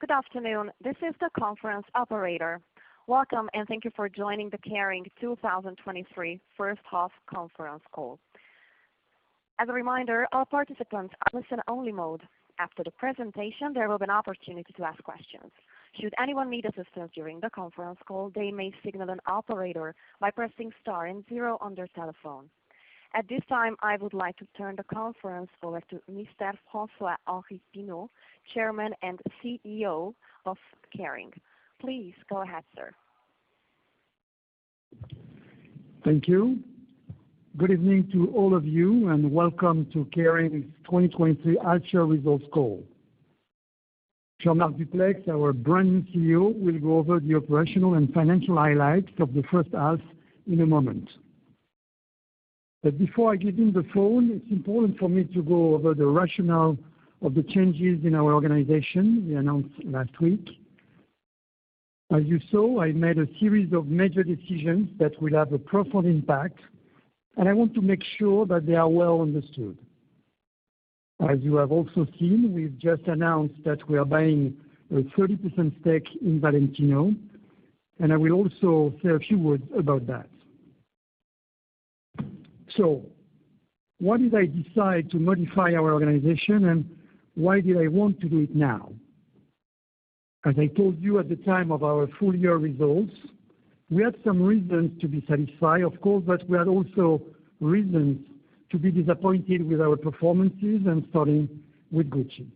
Good afternoon, this is the conference operator. Welcome, and thank you for joining the Kering 2023 first half conference call. As a reminder, all participants are in listen-only mode. After the presentation, there will be an opportunity to ask questions. Should anyone need assistance during the conference call, they may signal an operator by pressing star and zero on their telephone. At this time, I would like to turn the conference over to Mr. François-Henri Pinault, Chairman and CEO of Kering. Please go ahead, sir. Thank you. Good evening to all of you, welcome to Kering's 2023 Half Year results call. Jean-Marc Duplaix, our brand new CEO, will go over the operational and financial highlights of the first half in a moment. Before I give him the phone, it's important for me to go over the rationale of the changes in our organization we announced last week. As you saw, I made a series of major decisions that will have a profound impact, I want to make sure that they are well understood. As you have also seen, we've just announced that we are buying a 30% stake in Valentino, I will also say a few words about that. Why did I decide to modify our organization, and why did I want to do it now? As I told you at the time of our full year results, we had some reasons to be satisfied, of course, but we had also reasons to be disappointed with our performances, and starting with Gucci.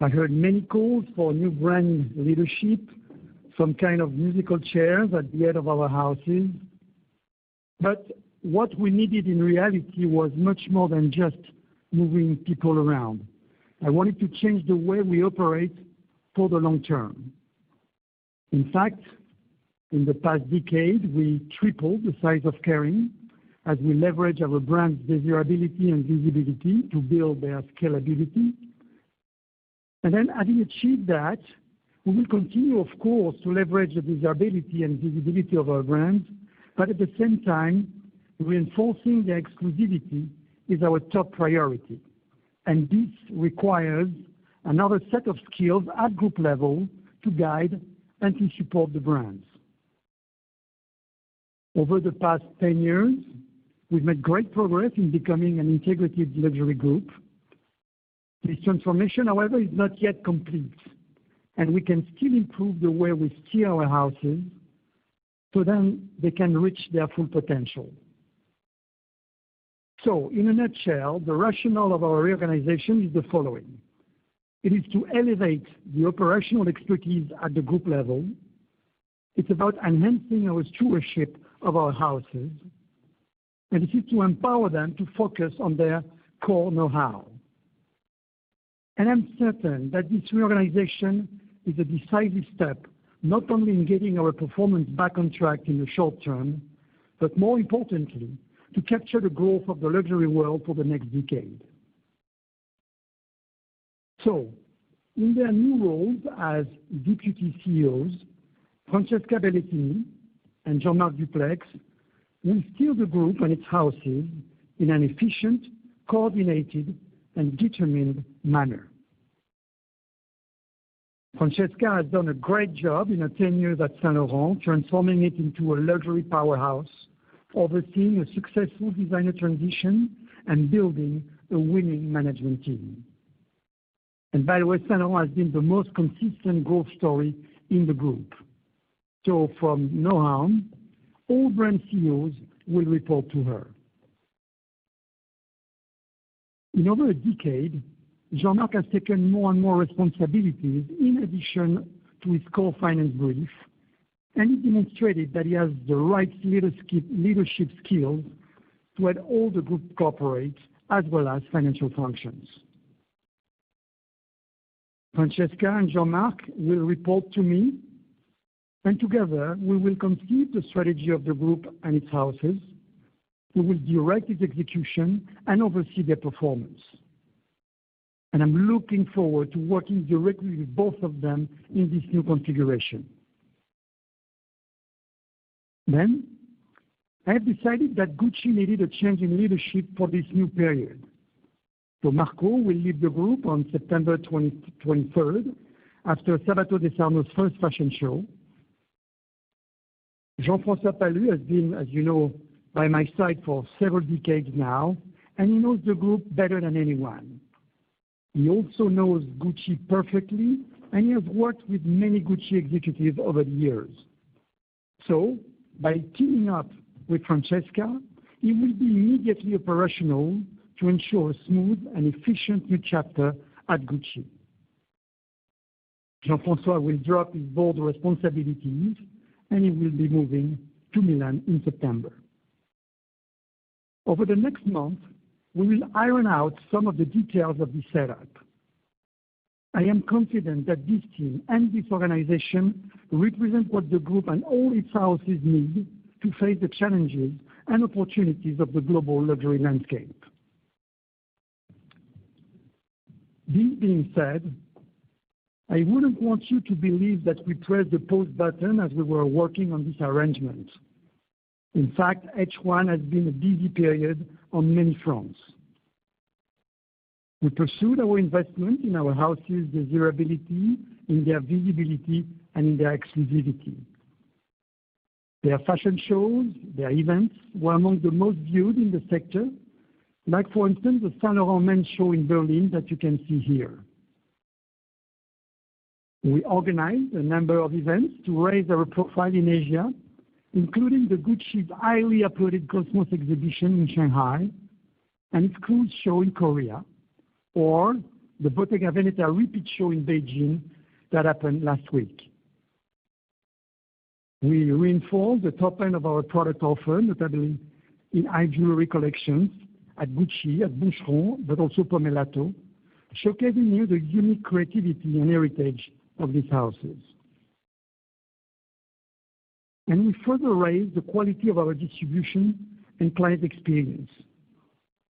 I heard many calls for new brand leadership, some kind of musical chairs at the head of our houses. What we needed in reality was much more than just moving people around. I wanted to change the way we operate for the long term. In fact, in the past decade, we tripled the size of Kering as we leveraged our brand's desirability and visibility to build their scalability. Having achieved that, we will continue, of course, to leverage the desirability and visibility of our brands, but at the same time, reinforcing their exclusivity is our top priority. This requires another set of skills at group level to guide and to support the brands. Over the past 10 years, we've made great progress in becoming an integrated luxury group. This transformation, however, is not yet complete, and we can still improve the way we steer our houses, so then they can reach their full potential. In a nutshell, the rationale of our reorganization is the following: It is to elevate the operational expertise at the group level. It's about enhancing our stewardship of our houses, and it is to empower them to focus on their core know-how. I'm certain that this reorganization is a decisive step, not only in getting our performance back on track in the short term, but more importantly, to capture the growth of the luxury world for the next decade. In their new roles as Deputy CEOs, Francesca Bellettini and Jean-Marc Duplaix will steer the group and its houses in an efficient, coordinated, and determined manner. Francesca has done a great job in her tenure at Saint Laurent, transforming it into a luxury powerhouse, overseeing a successful designer transition, and building a winning management team. By the way, Saint Laurent has been the most consistent growth story in the group. From now on, all brand CEOs will report to her. In over a decade, Jean-Marc has taken more and more responsibilities in addition to his core finance brief, and he demonstrated that he has the right leadership skills to lead all the group corporates, as well as financial functions. Francesca and Jean-Marc will report to me, and together, we will complete the strategy of the group and its houses. We will direct its execution and oversee their performance, and I'm looking forward to working directly with both of them in this new configuration. I have decided that Gucci needed a change in leadership for this new period. Marco will leave the group on September 20 2023, after Sabato De Sarno's first fashion show. Jean-François Palus has been, as you know, by my side for several decades now, and he knows the group better than anyone. He also knows Gucci perfectly, and he has worked with many Gucci executives over the years. By teaming up with Francesca, he will be immediately operational to ensure a smooth and efficient new chapter at Gucci. Jean-François will drop his board responsibilities, and he will be moving to Milan in September. Over the next month, we will iron out some of the details of this setup. I am confident that this team and this organization represent what the group and all its houses need to face the challenges and opportunities of the global luxury landscape. This being said, I wouldn't want you to believe that we pressed the pause button as we were working on this arrangement. In fact, H1 has been a busy period on many fronts. We pursued our investment in our houses, their desirability, in their visibility, and in their exclusivity. Their fashion shows, their events, were among the most viewed in the sector. Like, for instance, the Saint Laurent Men's Show in Berlin that you can see here. We organized a number of events to raise our profile in Asia, including the Gucci's highly applauded Cosmos exhibition in Shanghai and its Cruise show in Korea, or the Bottega Veneta repeat show in Beijing that happened last week. We reinforced the top line of our product offer, notably in high jewelry collections at Gucci, at Boucheron, but also Pomellato, showcasing you the unique creativity and heritage of these houses. We further raised the quality of our distribution and client experience.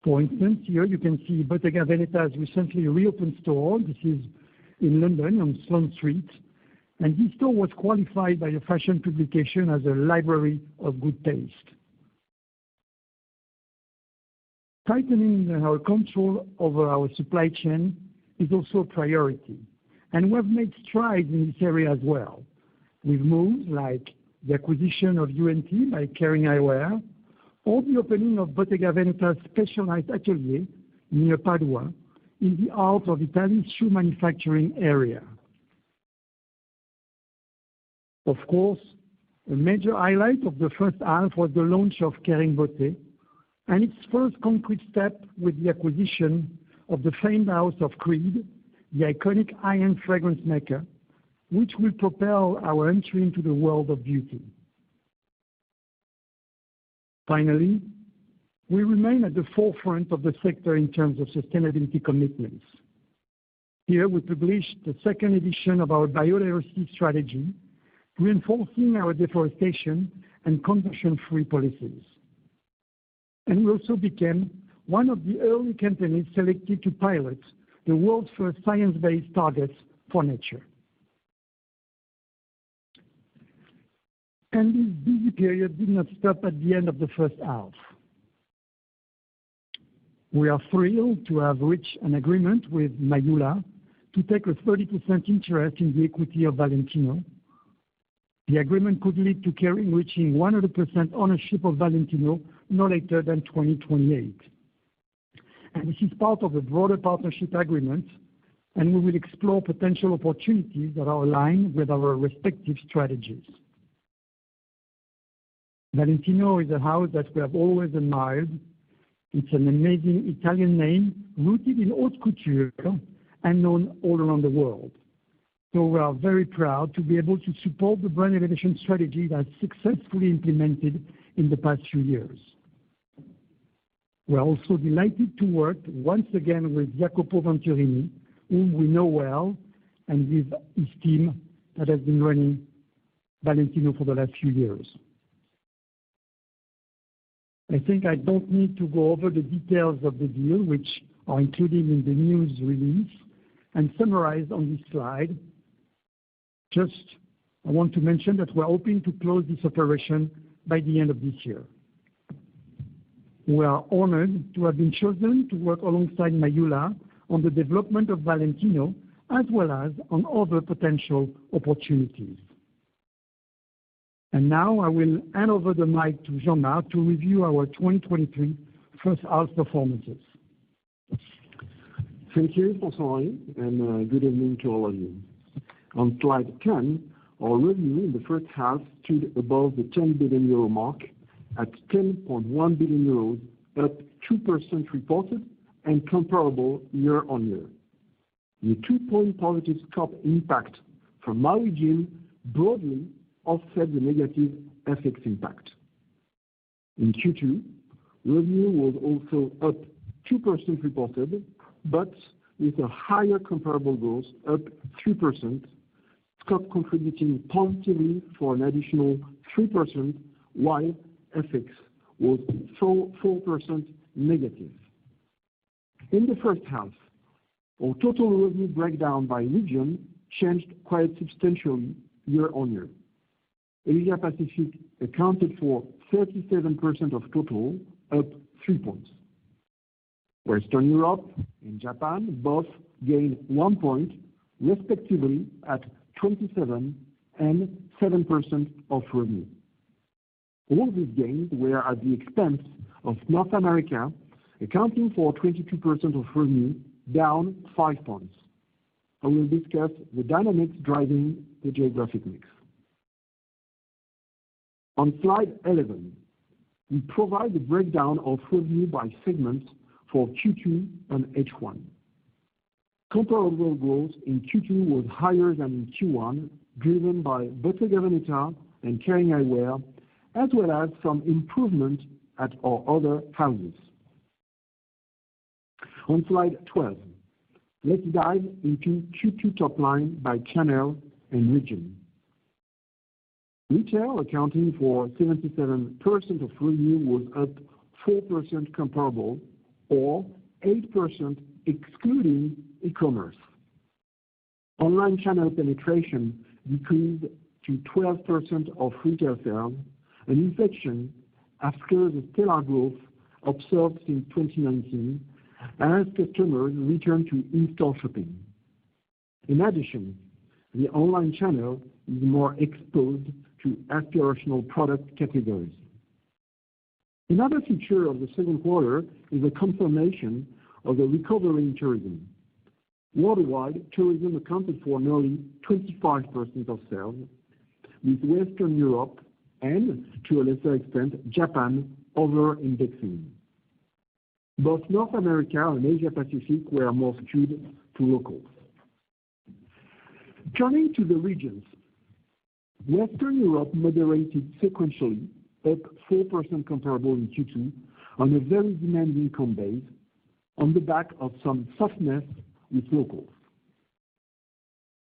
For instance, here you can see Bottega Veneta's recently reopened store. This is in London, on Sloane Street, and this store was qualified by a fashion publication as a library of good taste. Tightening our control over our supply chain is also a priority, and we have made strides in this area as well, with moves like the acquisition of UNT by Kering Eyewear, or the opening of Bottega Veneta's specialized atelier near Padua, in the heart of Italian shoe manufacturing area. Of course, a major highlight of the first half was the launch of Kering Beauté, and its first concrete step with the acquisition of the famed house of Creed, the iconic high-end fragrance maker, which will propel our entry into the world of beauty. Finally, we remain at the forefront of the sector in terms of sustainability commitments. Here, we published the second edition of our biodiversity strategy, reinforcing our deforestation and conversion-free policies. We also became one of the early companies selected to pilot the world's first science-based targets for nature. This busy period did not stop at the end of the first half. We are thrilled to have reached an agreement with Mayhoola to take a 30% interest in the equity of Valentino. The agreement could lead to Kering reaching 100% ownership of Valentino no later than 2028. This is part of a broader partnership agreement, and we will explore potential opportunities that are aligned with our respective strategies. Valentino is a house that we have always admired. It's an amazing Italian name, rooted in haute couture and known all around the world. We are very proud to be able to support the brand innovation strategy that's successfully implemented in the past few years. We are also delighted to work once again with Jacopo Venturini, whom we know well, and with his team that has been running Valentino for the last few years. I think I don't need to go over the details of the deal, which are included in the news release and summarized on this slide. Just, I want to mention that we are hoping to close this operation by the end of this year. We are honored to have been chosen to work alongside Mayhoola on the development of Valentino, as well as on other potential opportunities. I will hand over the mic to Jean-Marc to review our 2023 first half performances. Thank you, François-Henri, good evening to all of you. On slide 10, our revenue in the first half stood above the 10 billion euro mark, at 10.1 billion euros, up 2% reported and comparable year-on-year. The 2-point positive top impact from margin broadly offset the negative FX impact. In Q2, revenue was also up 2% reported, but with a higher comparable growth, up 3%, scope contributing positively for an additional 3%, while FX was 4% negative. In the first half, our total revenue breakdown by region changed quite substantially year-on-year. Asia Pacific accounted for 37% of total, up 3 points. Western Europe and Japan both gained 1 point, respectively, at 27% and 7% of revenue. All these gains were at the expense of North America, accounting for 22% of revenue, down 5 points. I will discuss the dynamics driving the geographic mix. On slide 11, we provide the breakdown of revenue by segment for Q2 and H1. Comparable growth in Q2 was higher than in Q1, driven by Bottega Veneta and Kering Eyewear, as well as some improvement at our other houses. On Slide 12, let's dive into Q2 top line by channel and region. Retail, accounting for 77% of revenue, was up 4% comparable, or 8% excluding e-commerce. Online channel penetration decreased to 12% of retail sales, an inflection after the stellar growth observed in 2019, as customers returned to in-store shopping. In addition, the online channel is more exposed to aspirational product categories. Another feature of the second quarter is a confirmation of the recovery in tourism. Worldwide, tourism accounted for nearly 25% of sales, with Western Europe, and to a lesser extent, Japan, over-indexing. Both North America and Asia Pacific were more skewed to locals. Turning to the regions, Western Europe moderated sequentially, up 4% comparable in Q2, on a very demanding compared base, on the back of some softness with locals.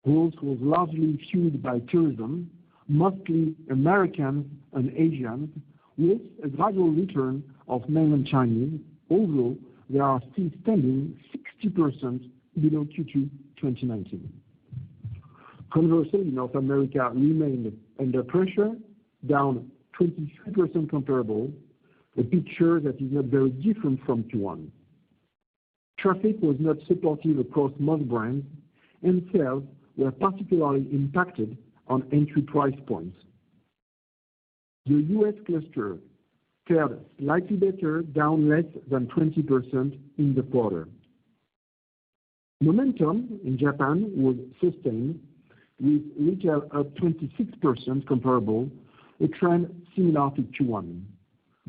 Growth was largely fueled by tourism, mostly American and Asian, with a gradual return of mainland Chinese, although they are still standing 60% below Q2 2019. Conversely, North America remained under pressure, down 23% comparable, a picture that is not very different from Q1. Traffic was not supportive across most brands, and sales were particularly impacted on entry price points. The U.S. cluster fared slightly better, down less than 20% in the quarter. Momentum in Japan was sustained, with retail up 26% comparable, a trend similar to Q1.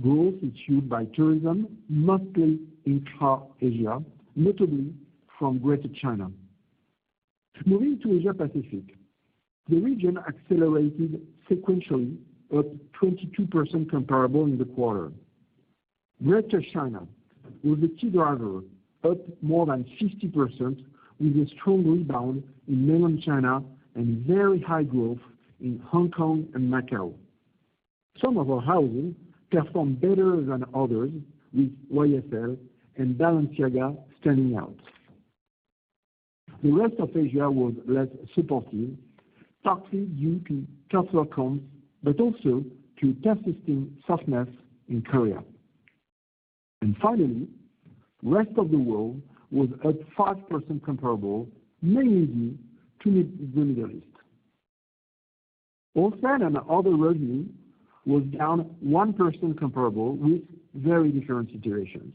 Growth is fueled by tourism, mostly intra-Asia, notably from Greater China. Moving to Asia Pacific, the region accelerated sequentially, up 22% comparable in the quarter. Greater China was the key driver, up more than 50%, with a strong rebound in mainland China and very high growth in Hong Kong and Macau. Some of our houses performed better than others, with YSL and Balenciaga standing out. The rest of Asia was less supportive, partly due to tougher comps, but also to persisting softness in Korea. Finally, rest of the world was up 5% comparable, mainly due to the Middle East. Wholesale and other revenue was down 1% comparable, with very different situations.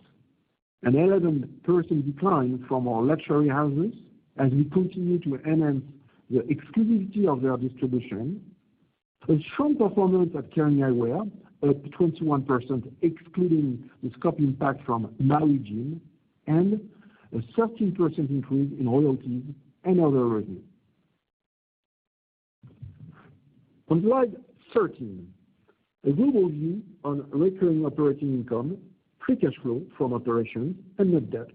An 11% decline from our luxury houses, as we continue to enhance the exclusivity of their distribution. A strong performance at Kering Eyewear, up 21%, excluding the scope impact from Maui Jim, and a 13% increase in royalties and other revenue. On slide 13, a global view on recurring operating income, free cash flow from operations, and net debt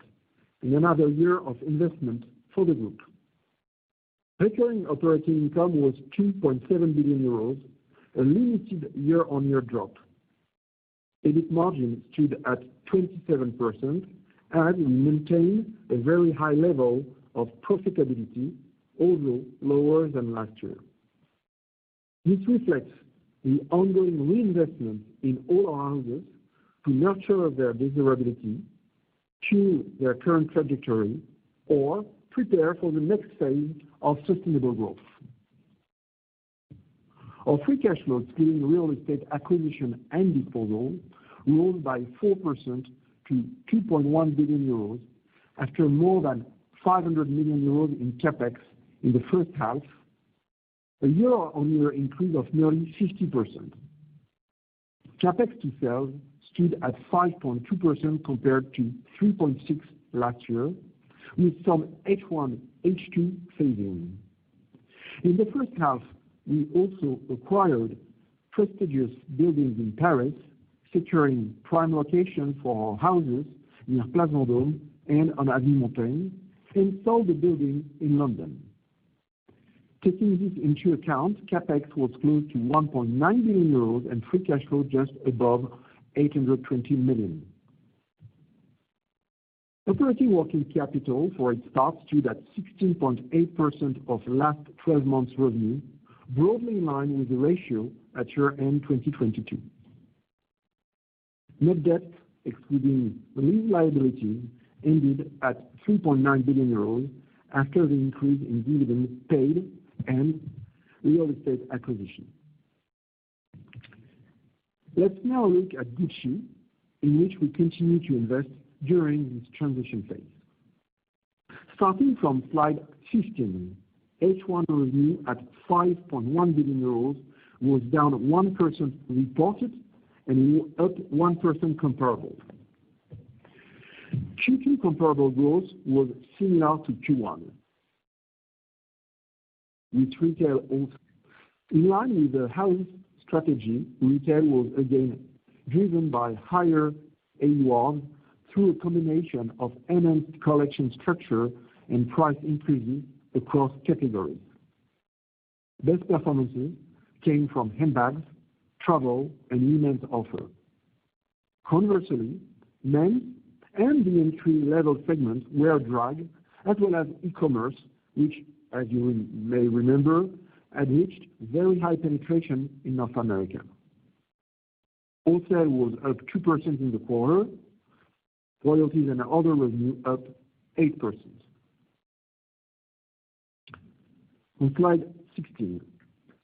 in another year of investment for the group. Recurring operating income was 2.7 billion euros, a limited year-on-year drop. EBIT margin stood at 27% and maintained a very high level of profitability, although lower than last year. This reflects the ongoing reinvestment in all our houses to nurture their desirability, tune their current trajectory, or prepare for the next phase of sustainable growth. Our free cash flow, excluding real estate acquisition and disposal, grew by 4% to 2.1 billion euros, after more than 500 million euros in CapEx in the first half, a year-on-year increase of nearly 50%. CapEx to sales stood at 5.2% compared to 3.6% last year, with some H1, H2 phasing. In the first half, we also acquired prestigious buildings in Paris, securing prime locations for our houses near place Vendôme and on avenue Montaigne, and sold a building in London. Taking this into account, CapEx was close to 1.9 billion euros and free cash flow just above 820 million. Operating working capital, for its part, stood at 16.8% of last 12 months' revenue, broadly in line with the ratio at year-end 2022. Net debt, excluding lease liability, ended at 3.9 billion euros after the increase in dividend paid and real estate acquisition. Let's now look at Gucci, in which we continue to invest during this transition phase. Starting from slide 15, H1 revenue at 5.1 billion euros was down 1% reported and up 1% comparable. Q2 comparable growth was similar to Q1, with retail also. In line with the house strategy, retail was again driven by higher AU1 through a combination of enhanced collection structure and price increases across categories. Best performances came from handbags, travel, and women's offer. Conversely, men and the entry-level segments were dragged, as well as e-commerce, which, as you may remember, had reached very high penetration in North America. Wholesale was up 2% in the quarter, royalties and other revenue up 8%. On slide 16,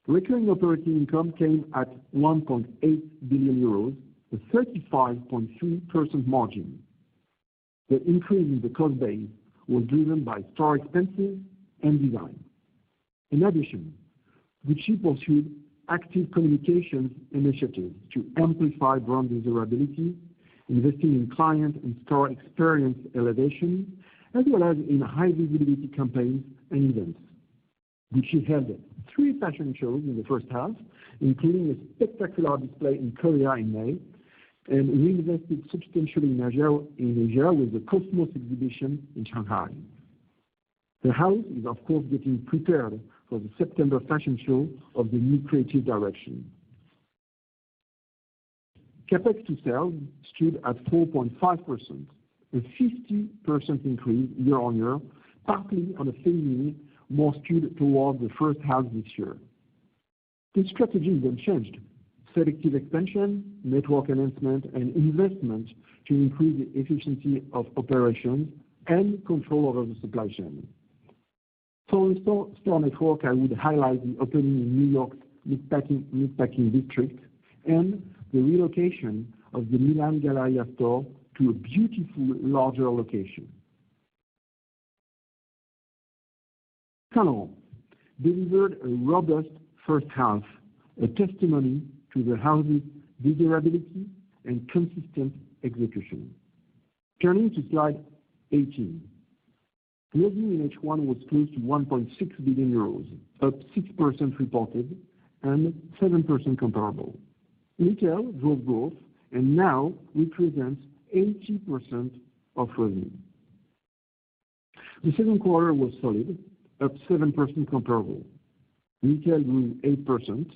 recurring operating income came at 1.8 billion euros, a 35.3% margin. The increase in the cost base was driven by store expenses and design. In addition, Gucci pursued active communications initiatives to amplify brand desirability, investing in client and store experience elevation, as well as in high-visibility campaigns and events. Gucci held three fashion shows in the first half, including a spectacular display in Korea in May, and reinvested substantially in Asia with the Cosmos exhibition in Shanghai. The house is, of course, getting prepared for the September fashion show of the new creative direction. CapEx to sales stood at 4.5%, a 50% increase year-on-year, partly on a base more skewed towards the first half this year. This strategy was unchanged. Selective expansion, network enhancement, and investment to increase the efficiency of operations and control over the supply chain. For store network, I would highlight the opening in New York Meatpacking district, and the relocation of the Milan Galleria store to a beautiful, larger location. Saint Laurent delivered a robust first half, a testimony to the house's desirability and consistent execution. Turning to slide 18. Revenue in H1 was close to 1.6 billion euros, up 6% reported and 7% comparable. Retail drove growth and now represents 80% of revenue. The second quarter was solid, up 7% comparable. Retail grew 8%.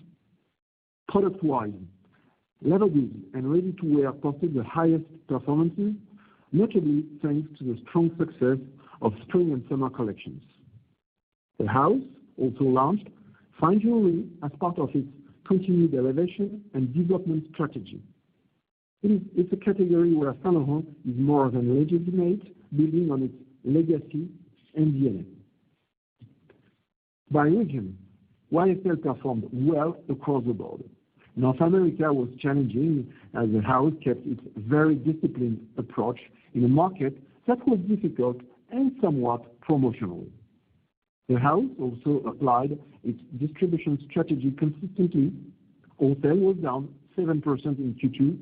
Product-wise, leather goods and ready-to-wear posted the highest performances, notably thanks to the strong success of spring and summer collections. The house also launched fine jewelry as part of its continued elevation and development strategy. It's a category where Saint Laurent is more than legitimate, building on its legacy and DNA. By region, YSL performed well across the board. North America was challenging, as the house kept its very disciplined approach in a market that was difficult and somewhat promotional. The house also applied its distribution strategy consistently. Wholesale was down 7% in Q2,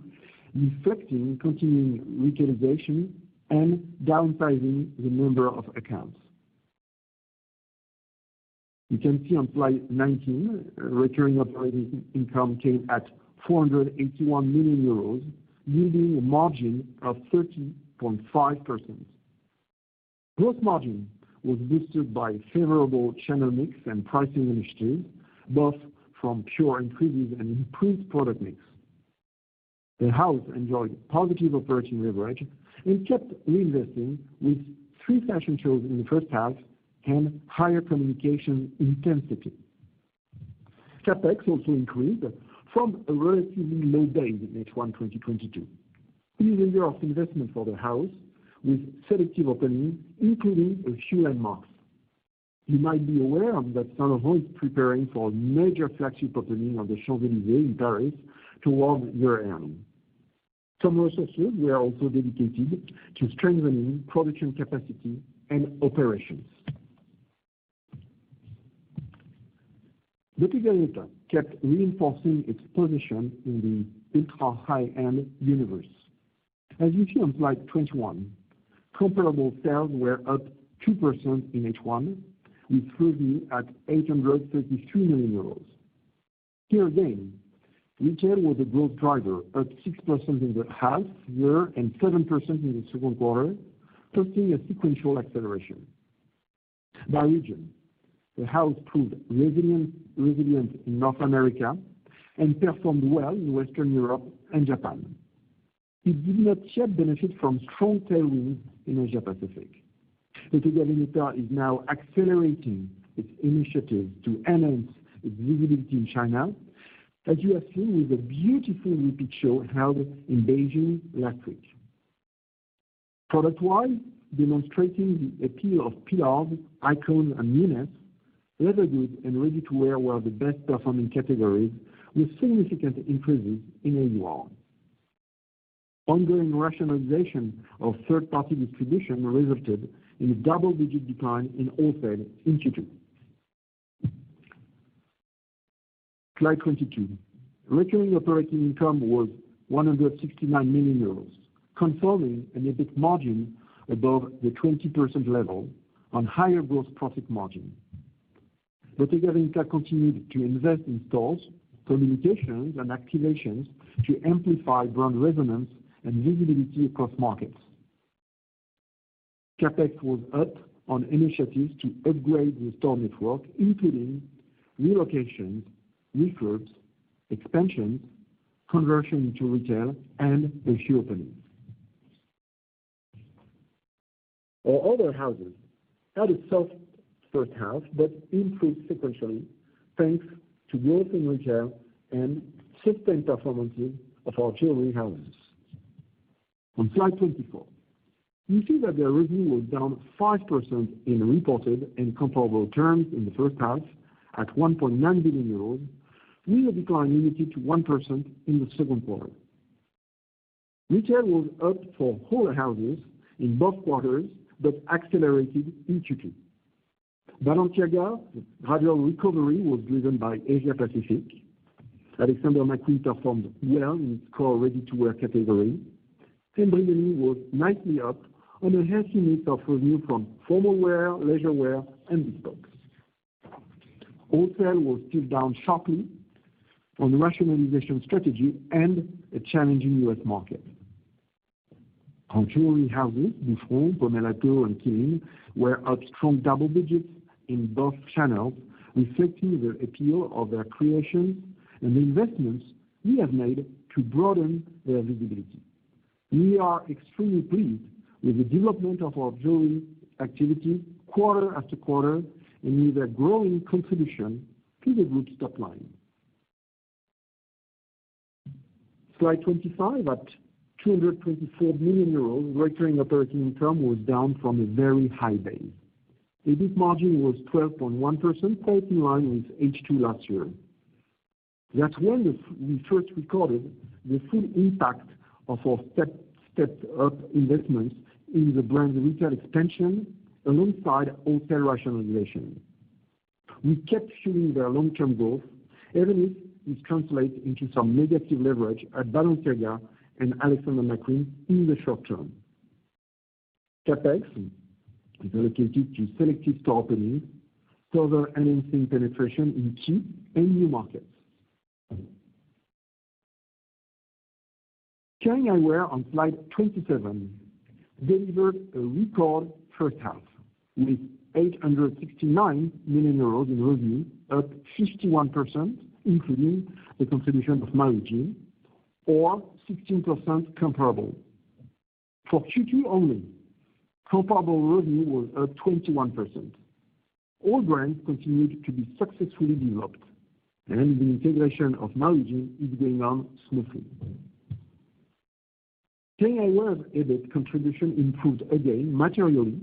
reflecting continuing retailization and downsizing the number of accounts. You can see on slide 19, recurring operating income came at 481 million euros, yielding a margin of 13.5%. Gross margin was boosted by favorable channel mix and pricing initiatives, both from pure increases and improved product mix. The house enjoyed positive operating leverage and kept reinvesting, with three fashion shows in the first half and higher communication intensity. CapEx also increased from a relatively low base in H1 2022. It is a year of investment for the house, with selective openings, including a few landmarks. You might be aware that Saint Laurent is preparing for a major flagship opening on the Champs-Élysées in Paris towards year-end. Some resources were also dedicated to strengthening production capacity and operations. Bottega Veneta kept reinforcing its position in the ultra-high-end universe. As you see on slide 21, comparable sales were up 2% in H1, with revenue at 833 million euros. Here again, retail was a growth driver, up 6% in the Half Year and 7% in the second quarter, posting a sequential acceleration. By region, the house proved resilient in North America and performed well in Western Europe and Japan. It did not yet benefit from strong tailwinds in Asia Pacific. Bottega Veneta is now accelerating its initiatives to enhance its visibility in China, as you have seen with a beautifully pictured show held in Beijing last week. Product-wise, demonstrating the appeal of Andiamo, Icon, and Mini, leather goods and ready-to-wear were the best-performing categories, with significant increases in AUR. Ongoing rationalization of third-party distribution resulted in a double-digit decline in wholesale in Q2. Slide 22. Recurring operating income was 169 million euros, confirming an EBIT margin above the 20% level on higher gross profit margin. Bottega Veneta continued to invest in stores, communications, and activations to amplify brand resonance and visibility across markets. CapEx was up on initiatives to upgrade the store network, including relocations, refurbs, expansions, conversion to retail, and a few openings. Our other houses had a soft first half, but improved sequentially, thanks to growth in retail and sustained performances of our jewelry houses. On slide 24, you see that their revenue was down 5% in reported and comparable terms in the first half at 1.9 billion euros, with a decline limited to 1% in the second quarter. Retail was up for all houses in both quarters, but accelerated in Q2. Balenciaga's gradual recovery was driven by Asia Pacific. Alexander McQueen performed well in its core ready-to-wear category. Brioni was nicely up on a healthy mix of revenue from formal wear, leisure wear, and bespoke. Wholesale was still down sharply on the rationalization strategy and a challenging U.S. market. Our jewelry houses, Boucheron, Pomellato, and Qeelin, were up strong double digits in both channels, reflecting the appeal of their creations and the investments we have made to broaden their visibility. We are extremely pleased with the development of our jewelry activity quarter after quarter, and with a growing contribution to the group's top line. Slide 25, at 224 million euros, recurring operating income was down from a very high base. EBIT margin was 12.1%, quite in line with H2 last year. That's when we first recorded the full impact of our stepped up investments in the brand's retail expansion alongside wholesale rationalization. We kept fueling their long-term growth, even if this translates into some negative leverage at Balenciaga and Alexander McQueen in the short term. CapEx is allocated to selective store openings, further enhancing penetration in key and new markets. Kering Eyewear on slide 27, delivered a record first half, with 869 million euros in revenue, up 51%, including the contribution of Maui Jim, or 16% comparable. For Q2 only, comparable revenue was up 21%. All brands continued to be successfully developed. The integration of Maui Jim is going on smoothly. Kering Eyewear's EBIT contribution improved again materially,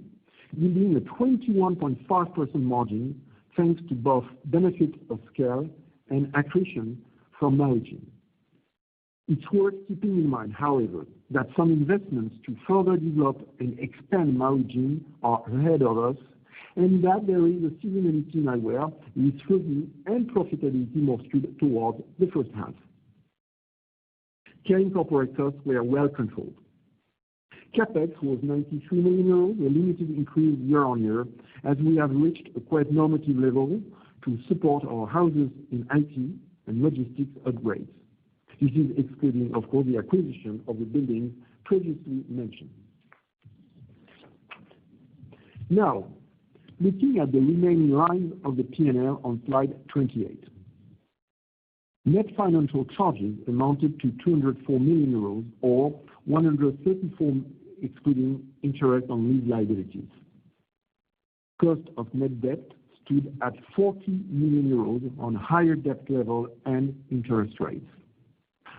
yielding a 21.5% margin, thanks to both benefit of scale and accretion from Maui Jim. It's worth keeping in mind, however, that some investments to further develop and expand Maui Jim are ahead of us, and that there is a seasonality in eyewear, with revenue and profitability more skewed towards the first half. Kering operating costs were well controlled. CapEx was 93 million euros, a limited increase year-on-year, as we have reached a quite normative level to support our houses in IT and logistics upgrades. This is excluding, of course, the acquisition of the building previously mentioned. Now, looking at the remaining lines of the P&L on slide 28. Net financial charges amounted to 204 million euros, or 134 million, excluding interest on lease liabilities. Cost of net debt stood at 40 million euros on higher debt level and interest rates.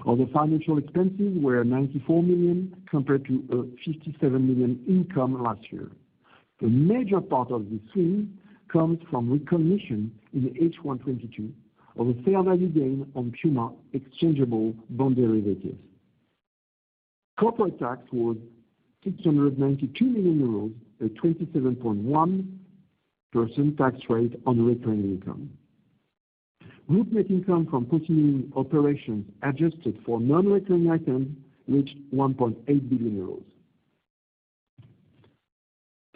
Other financial expenses were 94 million, compared to a 57 million income last year. The major part of this swing comes from recognition in the H1 2022 of a fair value gain on PUMA exchangeable bond derivatives. Corporate tax was 692 million euros, a 27.1% tax rate on recurring income. Group net income from continuing operations, adjusted for non-recurring items, reached 1.8 billion euros.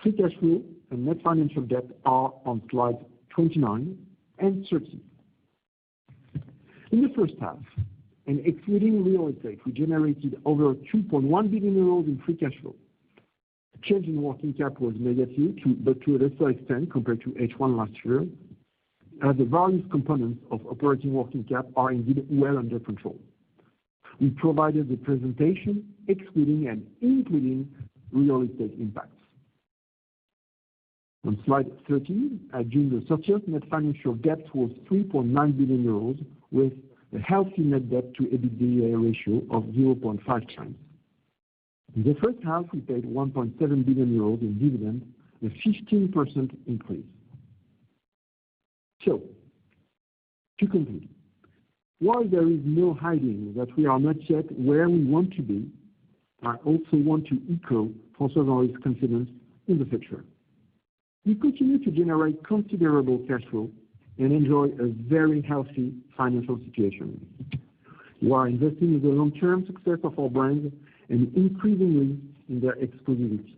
Free cash flow and net financial debt are on slide 29 and 30. In the first half, excluding real estate, we generated over 2.1 billion euros in free cash flow. Change in working capital was negative to, to a lesser extent compared to H1 last year, as the various components of operating working capital are indeed well under control. We provided the presentation excluding and including real estate impacts. On slide 30, at June 30th, net financial debt was 3.9 billion euros, with a healthy net debt to EBITDA ratio of 0.5x. In the first half, we paid 1.7 billion euros in dividends, a 15% increase. To conclude, while there is no hiding that we are not yet where we want to be, I also want to echo François' confidence in the future. We continue to generate considerable cash flow and enjoy a very healthy financial situation. We are investing in the long-term success of our brands and increasingly in their exclusivity.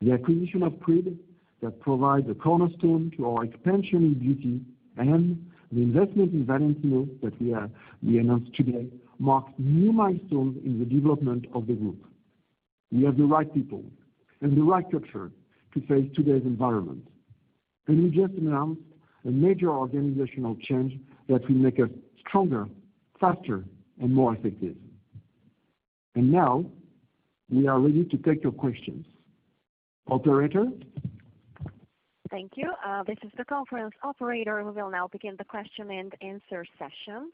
The acquisition of Creed, that provides a cornerstone to our expansion in beauty and the investment in Valentino that we are, we announced today, marks new milestones in the development of the group. We have the right people and the right culture to face today's environment, and we just announced a major organizational change that will make us stronger, faster, and more effective. Now, we are ready to take your questions. Operator? Thank you. This is the conference operator. We will now begin the question-and-answer session.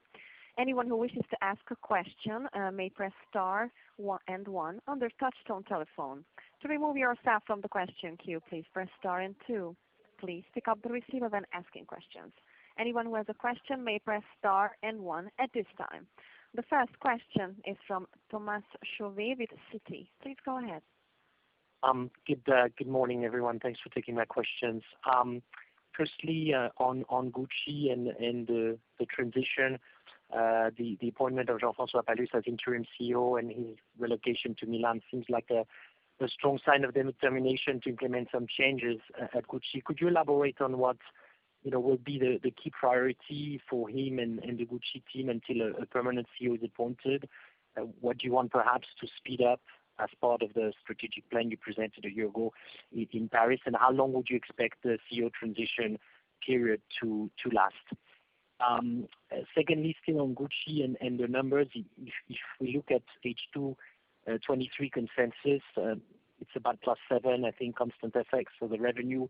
Anyone who wishes to ask a question may press star one and one on their touchtone telephone. To remove yourself from the question queue, please press star and two. Please pick up the receiver when asking questions. Anyone who has a question may press star and one at this time. The first question is from Thomas Chauvet with Citi. Please go ahead. Good morning, everyone. Thanks for taking my questions. Firstly, on Gucci and the transition, the appointment of Jean-François Palus as interim CEO and his relocation to Milan seems like a strong sign of the determination to implement some changes at Gucci. Could you elaborate on what, you know, will be the key priority for him and the Gucci team until a permanent CEO is appointed? What do you want perhaps to speed up as part of the strategic plan you presented a year ago in Paris? How long would you expect the CEO transition period to last? Secondly, still on Gucci and the numbers, if we look at page 223 consensus, it's about +7, I think, constant FX. The revenue,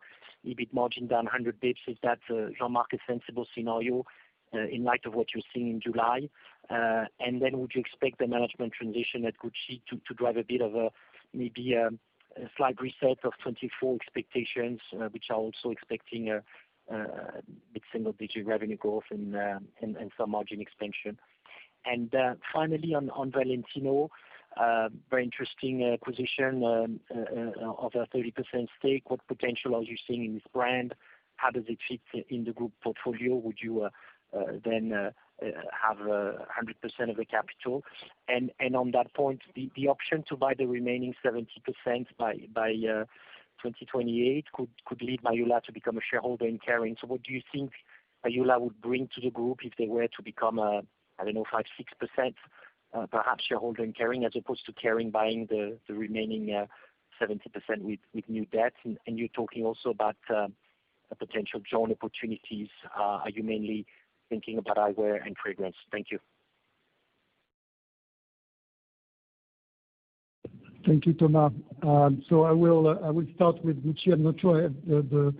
EBIT margin down 100 basis points, is that, Jean-Marc, a sensible scenario in light of what you're seeing in July? Would you expect the management transition at Gucci to drive a bit of a, maybe, a slight reset of 2024 expectations, which are also expecting a mid-single-digit revenue growth and some margin expansion. Finally, on Valentino, very interesting position of a 30% stake. What potential are you seeing in this brand? How does it fit in the group portfolio? Would you then have 100% of the capital? On that point, the option to buy the remaining 70% by 2028 could lead Mayhoola to become a shareholder in Kering. What do you think Mayhoola would bring to the group if they were to become a, I don't know, 5%, 6%, perhaps shareholder in Kering, as opposed to Kering buying the remaining 70% with new debt? You're talking also about potential joint opportunities. Are you mainly thinking about eyewear and fragrance? Thank you. Thank you, Thomas. I will start with Gucci. I'm not sure I have the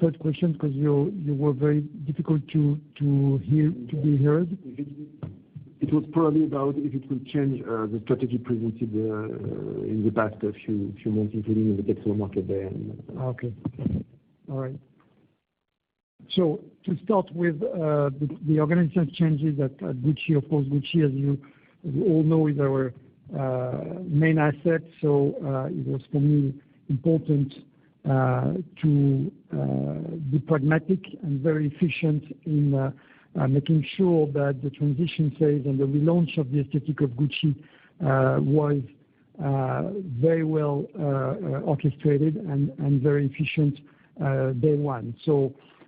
first question, because you were very difficult to hear, to be heard. It was probably about if it will change, the strategy presented, in the past a few months, including in the capital market day. Okay. All right. To start with, the organizational changes at Gucci. Of course, Gucci, as you, as we all know, is our main asset, so it was for me, important to be pragmatic and very efficient in making sure that the transition phase and the relaunch of the aesthetic of Gucci was very well orchestrated and very efficient day one.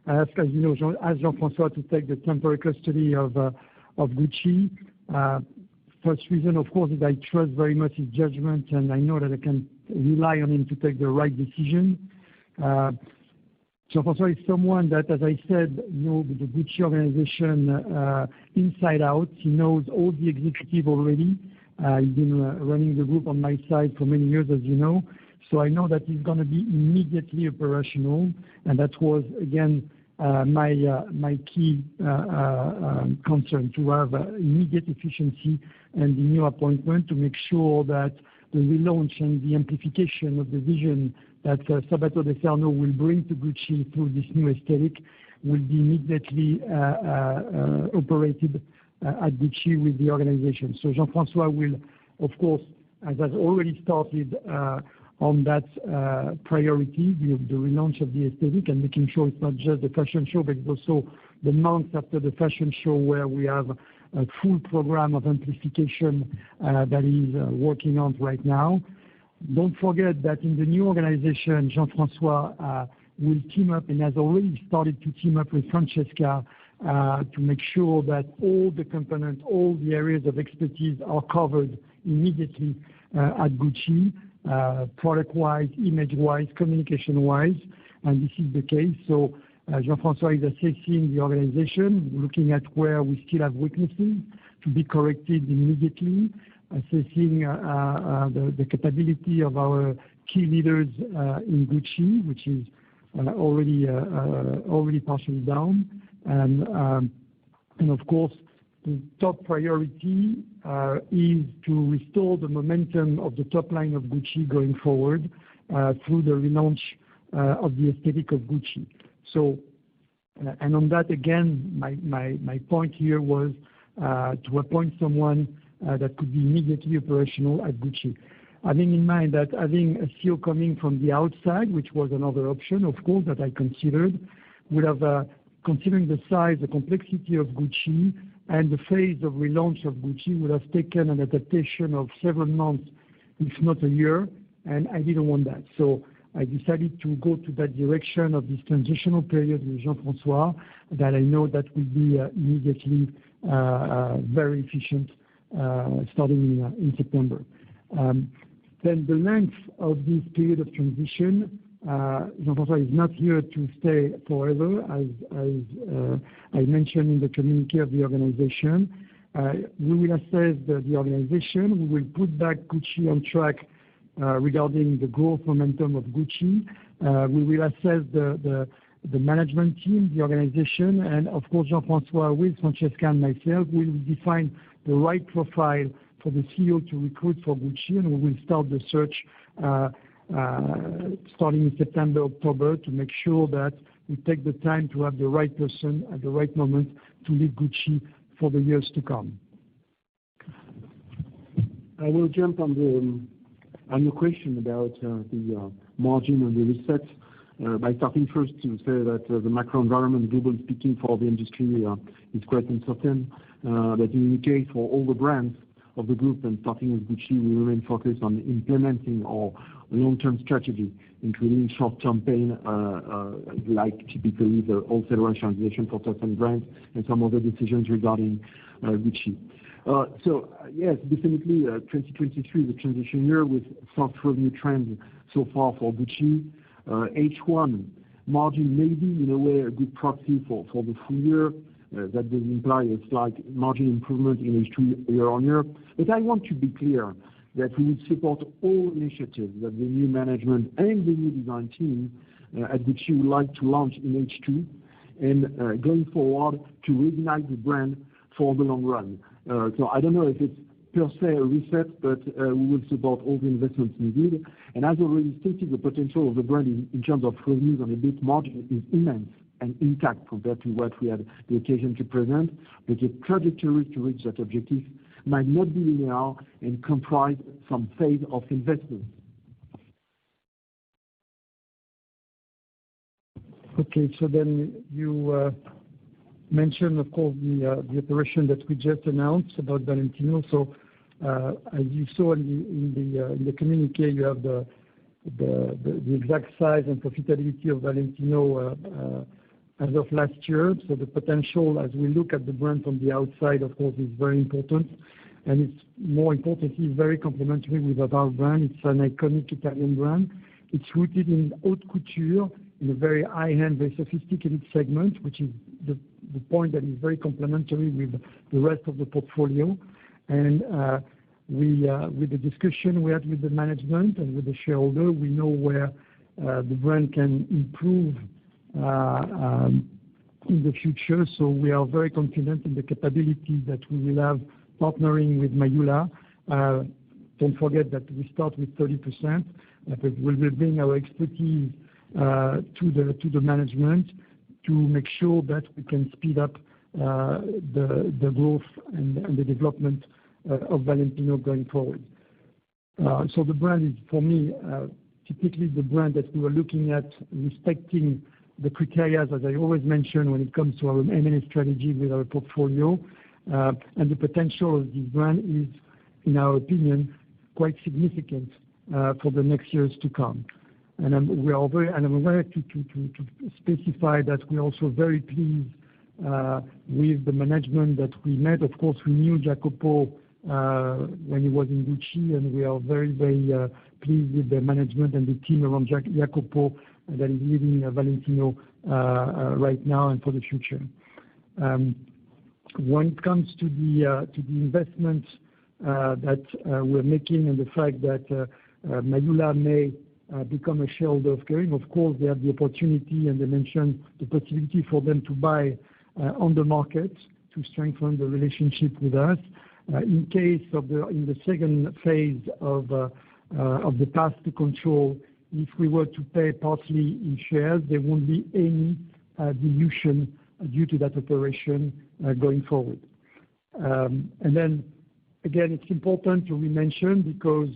I asked, as you know, Jean-François to take the temporary custody of Gucci. First reason, of course, is I trust very much his judgment, and I know that I can rely on him to take the right decision. Jean-François is someone that, as I said, know the Gucci organization inside out. He knows all the executive already. He's been running the group on my side for many years, as you know, so I know that he's gonna be immediately operational. That was, again, my key concern, to have immediate efficiency and the new appointment, to make sure that the relaunch and the amplification of the vision that Sabato De Sarno will bring to Gucci through this new aesthetic will be immediately operated at Gucci with the organization. Jean-François will, of course, and has already started on that priority, the relaunch of the aesthetic and making sure it's not just the fashion show, but it's also the months after the fashion show, where we have a full program of amplification that he's working on right now. Don't forget that in the new organization, Jean-François will team up, and has already started to team up with Francesca to make sure that all the components, all the areas of expertise are covered immediately at Gucci, product-wise, image-wise, communication-wise, and this is the case. Jean-François is assessing the organization, looking at where we still have weaknesses to be corrected immediately, assessing the capability of our key leaders in Gucci, which is already partially down. Of course, the top priority is to restore the momentum of the top line of Gucci going forward through the relaunch of the aesthetic of Gucci. And on that, again, my point here was to appoint someone that could be immediately operational at Gucci. Having in mind that having a CEO coming from the outside, which was another option, of course, that I considered, would have, considering the size, the complexity of Gucci and the phase of relaunch of Gucci, would have taken an adaptation of several months. If not a year, and I didn't want that. I decided to go to that direction of this transitional period with Jean-François, that I know that will be, immediately, very efficient, starting in, in September. The length of this period of transition, Jean-François is not here to stay forever, as I mentioned in the communique of the organization. We will assess the organization, we will put back Gucci on track, regarding the growth momentum of Gucci. We will assess the management team, the organization, and of course, Jean-François, with Francesca and myself, we will define the right profile for the CEO to recruit for Gucci, and we will start the search starting in September, October, to make sure that we take the time to have the right person at the right moment to lead Gucci for the years to come. I will jump on the question about the margin and the reset by starting first to say that the macro environment, globally speaking for the industry, is quite uncertain. In any case, for all the brands of the group, and starting with Gucci, we remain focused on implementing our long-term strategy, including short-term pain, like typically, the wholesale rationalization for certain brands and some other decisions regarding Gucci. Yes, definitely, 2023 is a transition year with soft revenue trend so far for Gucci. H1 margin may be, in a way, a good proxy for the full year. That does imply a slight margin improvement in H2 year-on-year. I want to be clear that we will support all initiatives that the new management and the new design team at Gucci would like to launch in H2 and going forward, to reignite the brand for the long run. I don't know if it's per se, a reset, but we will support all the investments needed. As already stated, the potential of the brand in terms of revenues and EBIT margin is immense and intact, compared to what we had the occasion to present. The trajectory to reach that objective might not be linear and comprise some phase of investment. You mentioned, of course, the operation that we just announced about Valentino. As you saw in the communique, you have the exact size and profitability of Valentino as of last year. The potential, as we look at the brand from the outside, of course, is very important. It's more importantly, very complementary with our brand. It's an iconic Italian brand. It's rooted in haute couture, in a very high-end, very sophisticated segment, which is the point that is very complementary with the rest of the portfolio. We with the discussion we had with the management and with the shareholder, we know where the brand can improve in the future. We are very confident in the capability that we will have partnering with Mayhoola. Don't forget that we start with 30%, but we will bring our expertise to the management, to make sure that we can speed up the growth and the development of Valentino going forward. The brand is, for me, typically the brand that we were looking at, respecting the criteria, as I always mention, when it comes to our M&A strategy with our portfolio. The potential of this brand is, in our opinion, quite significant for the next years to come. I'm aware to specify that we are also very pleased with the management that we met. Of course, we knew Jacopo when he was in Gucci, and we are very pleased with the management and the team around Jacopo, that is leading Valentino right now and for the future. When it comes to the investments that we're making and the fact that Mayhoola may become a shareholder of Kering, of course, they have the opportunity, and I mentioned the possibility for them to buy on the market to strengthen the relationship with us. In case of the, in the second phase of the path to control, if we were to pay partly in shares, there won't be any dilution due to that operation going forward. Again, it's important to remention, because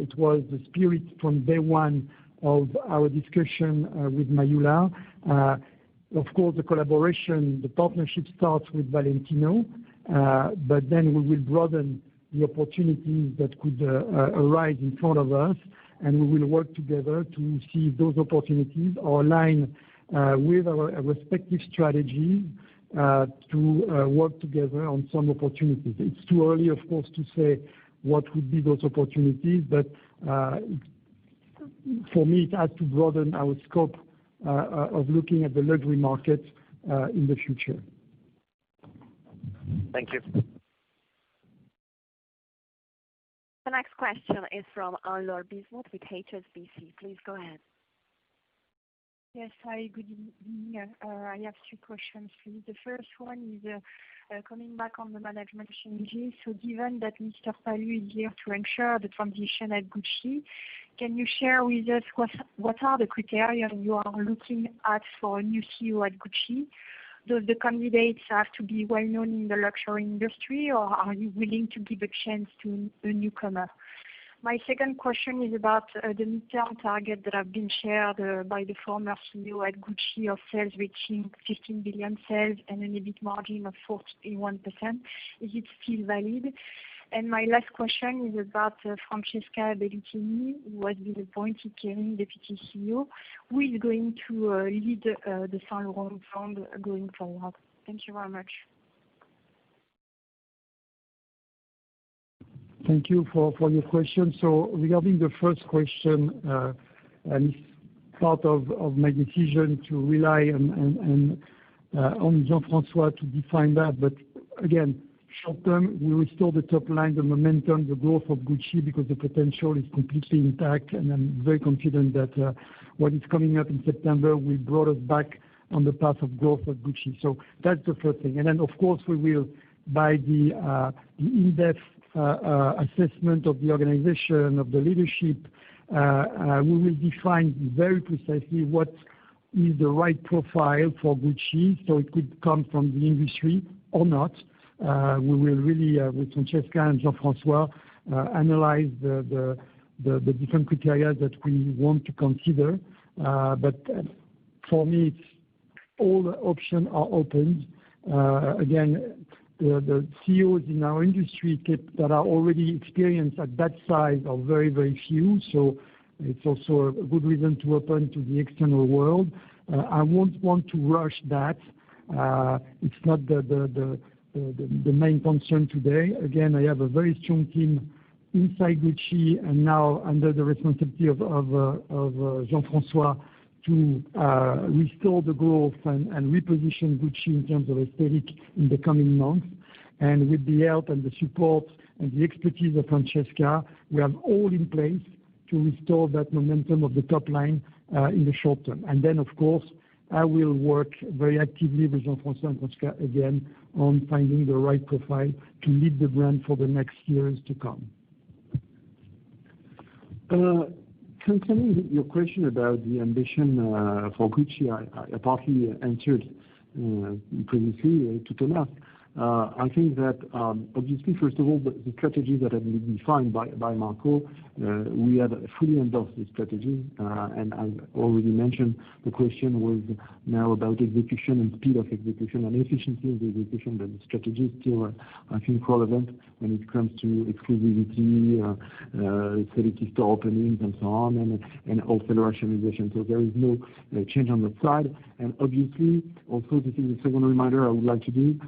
it was the spirit from day one of our discussion with Mayhoola. Of course, the collaboration, the partnership starts with Valentino, but then we will broaden the opportunities that could arise in front of us, and we will work together to see if those opportunities are aligned with our respective strategy to work together on some opportunities. It's too early, of course, to say what would be those opportunities, but for me, it adds to broaden our scope of looking at the luxury market in the future. Thank you. The next question is from Anne-Laure Bismuth with HSBC. Please go ahead. Yes, hi, good evening. I have two questions for you. The first one is, coming back on the management changes. Given that Mr. Palus is there to ensure the transition at Gucci, can you share with us what are the criteria you are looking at for a new CEO at Gucci? Do the candidates have to be well-known in the luxury industry, or are you willing to give a chance to a newcomer? My second question is about the midterm target that have been shared by the former CEO at Gucci, of sales reaching 15 billion sales and an EBIT margin of 41%. Is it still valid? My last question is about Francesca Bellettini, who has been appointed Kering deputy CEO. Who is going to lead the Saint Laurent brand going forward? Thank you very much. Thank you for your question. Regarding the first question, and it's part of my decision to rely on Jean-François to define that. Again, short term, we restore the top line, the momentum, the growth of Gucci, because the potential is completely intact, and I'm very confident that what is coming up in September, will brought us back on the path of growth of Gucci. That's the first thing. Then, of course, we will, by the in-depth assessment of the organization, of the leadership, we will define very precisely what is the right profile for Gucci, so it could come from the industry or not. We will really, with Francesca and Jean-François, analyze the different criteria that we want to consider. For me, it's all the option are open. Again, the CEOs in our industry that are already experienced at that size are very, very few, so it's also a good reason to open to the external world. I won't want to rush that. It's not the main concern today. Again, I have a very strong team inside Gucci, and now under the responsibility of Jean-Marc Duplaix to restore the growth and reposition Gucci in terms of aesthetic in the coming months. With the help and the support and the expertise of Francesca, we have all in place to restore that momentum of the top line in the short term. Of course, I will work very actively with Jean-François and Francesca again on finding the right profile to lead the brand for the next years to come. Concerning your question about the ambition for Gucci, I partly answered previously to Thomas. I think that, obviously, first of all, the strategy that have been defined by Marco, we have fully endorsed this strategy. I've already mentioned the question was now about execution and speed of execution and efficiency of the execution, but the strategy is still, I think, relevant when it comes to exclusivity, selective store openings, and so on, and also rationalization. There is no change on that side. Obviously, also, this is the second reminder I would like to do,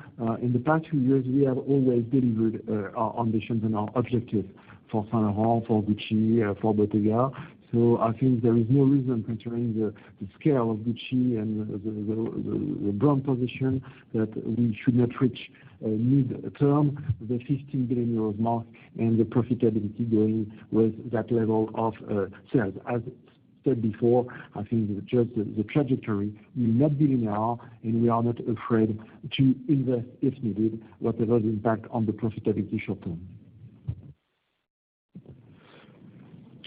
in the past two years, we have always delivered, our ambitions and our objectives for Saint Laurent, for Gucci, for Bottega. I think there is no reason, considering the scale of Gucci and the brand position, that we should not reach, mid-term, the 50 billion euros mark and the profitability going with that level of sales. As said before, I think the trajectory will not be linear, and we are not afraid to invest, if needed, whatever the impact on the profitability short term.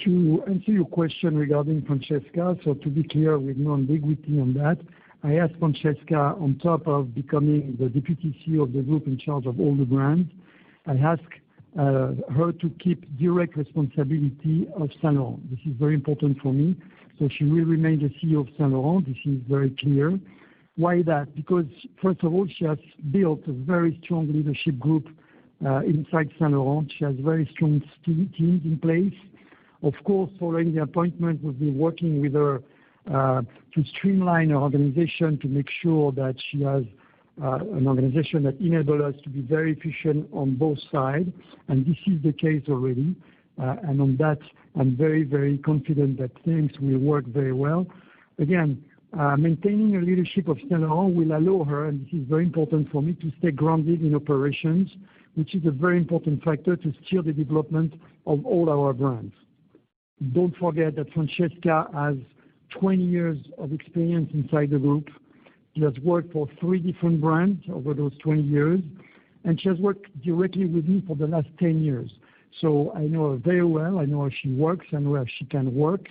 To answer your question regarding Francesca, so to be clear, with no ambiguity on that, I asked Francesca, on top of becoming the deputy CEO of the group in charge of all the brands, I ask her to keep direct responsibility of Saint Laurent. This is very important for me, so she will remain the CEO of Saint Laurent. This is very clear. Why that? First of all, she has built a very strong leadership group inside Saint Laurent. She has very strong teams in place. Of course, following the appointment, we'll be working with her to streamline her organization, to make sure that she has an organization that enable us to be very efficient on both sides, and this is the case already. On that, I'm very, very confident that things will work very well. Maintaining a leadership of Saint Laurent will allow her, and this is very important for me, to stay grounded in operations, which is a very important factor to steer the development of all our brands. Don't forget that Francesca has 20 years of experience inside the group. She has worked for three different brands over those 20 years. She has worked directly with me for the last 10 years. I know her very well. I know how she works and where she can work,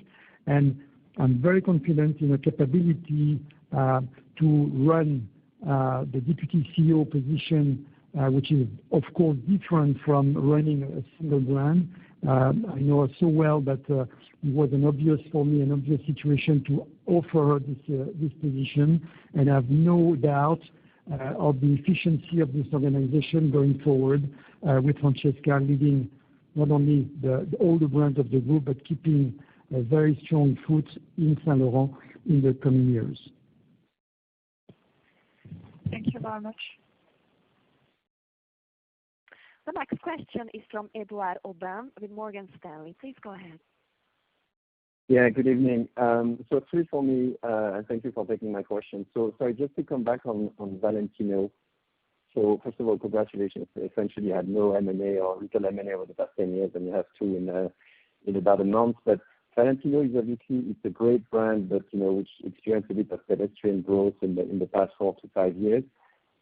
and I'm very confident in her capability to run the Deputy CEO position, which is, of course, different from running a single brand. I know her so well that it was an obvious for me, an obvious situation to offer her this position, and I have no doubt of the efficiency of this organization going forward with Francesca leading not only the, all the brands of the group, but keeping a very strong foot in Saint Laurent in the coming years. Thank you very much. The next question is from Edouard Aubin with Morgan Stanley. Please go ahead. Yeah, good evening. Three for me, and thank you for taking my question. Just to come back on Valentino. First of all, congratulations. Essentially, you had no M&A or little M&A over the past 10 years, and you have two in about a month. Valentino is obviously, it's a great brand, but, you know, which experienced a bit of pedestrian growth in the past four to five years.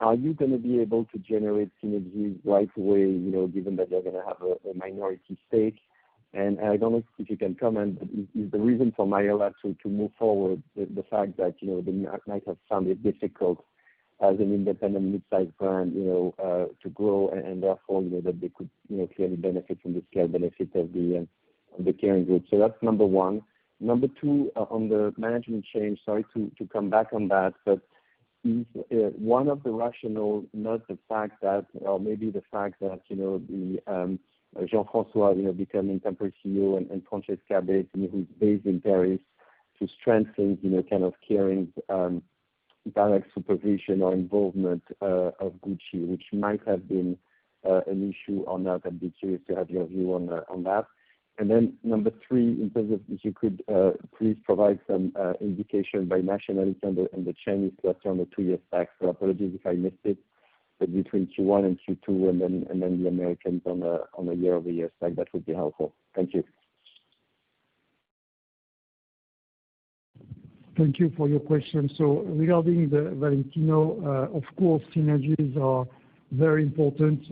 Are you gonna be able to generate synergies right away, you know, given that you're gonna have a minority stake? I don't know if you can comment, but is the reason for Mayhoola to move forward, the fact that, you know, they might have found it difficult as an independent mid-size brand, you know, to grow, and therefore, you know, that they could, you know, clearly benefit from the scale benefit of the Kering group? That's number one. Number two, on the management change, sorry to come back on that, one of the rationale, not the fact that, or maybe the fact that, you know, the Jean-François, you know, becoming temporary CEO and Francesca who's based in Paris, to strengthen, you know, kind of Kering's direct supervision or involvement of Gucci, which might have been an issue or not, I'd be curious to have your view on that? Number three, in terms of if you could please provide some indication by nationality and the change that's on the two-year stack. Apologies if I missed it, but between Q1 and Q2, and then the Americans on a year-over-year stack, that would be helpful. Thank you. Thank you for your question. Regarding the Valentino, of course, synergies are very important.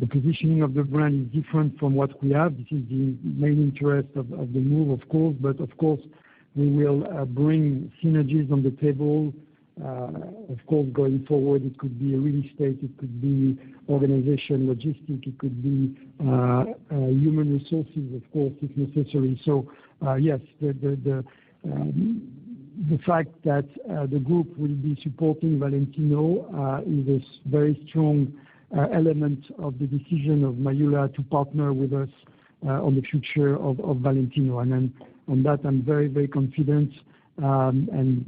The positioning of the brand is different from what we have. This is the main interest of the move, of course. Of course, we will bring synergies on the table. Of course, going forward, it could be real estate, it could be organization, logistic, it could be human resources, of course, if necessary. Yes, the fact that the group will be supporting Valentino is a very strong element of the decision of Mayhoola to partner with us on the future of Valentino. On that, I'm very, very confident. The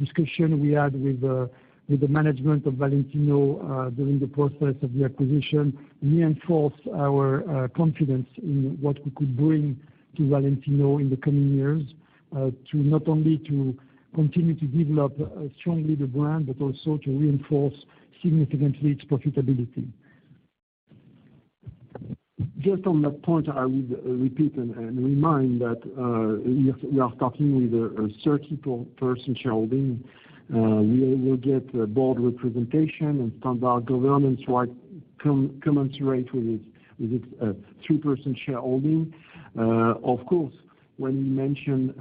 discussion we had with the management of Valentino during the process of the acquisition reinforced our confidence in what we could bring to Valentino in the coming years to not only to continue to develop strongly the brand, but also to reinforce significantly its profitability. Just on that point, I would repeat and remind that yes, we are starting with a 30% shareholding. We will get a board representation, and some of our governance right commensurate with its, with its 3% shareholding. Of course, when you mention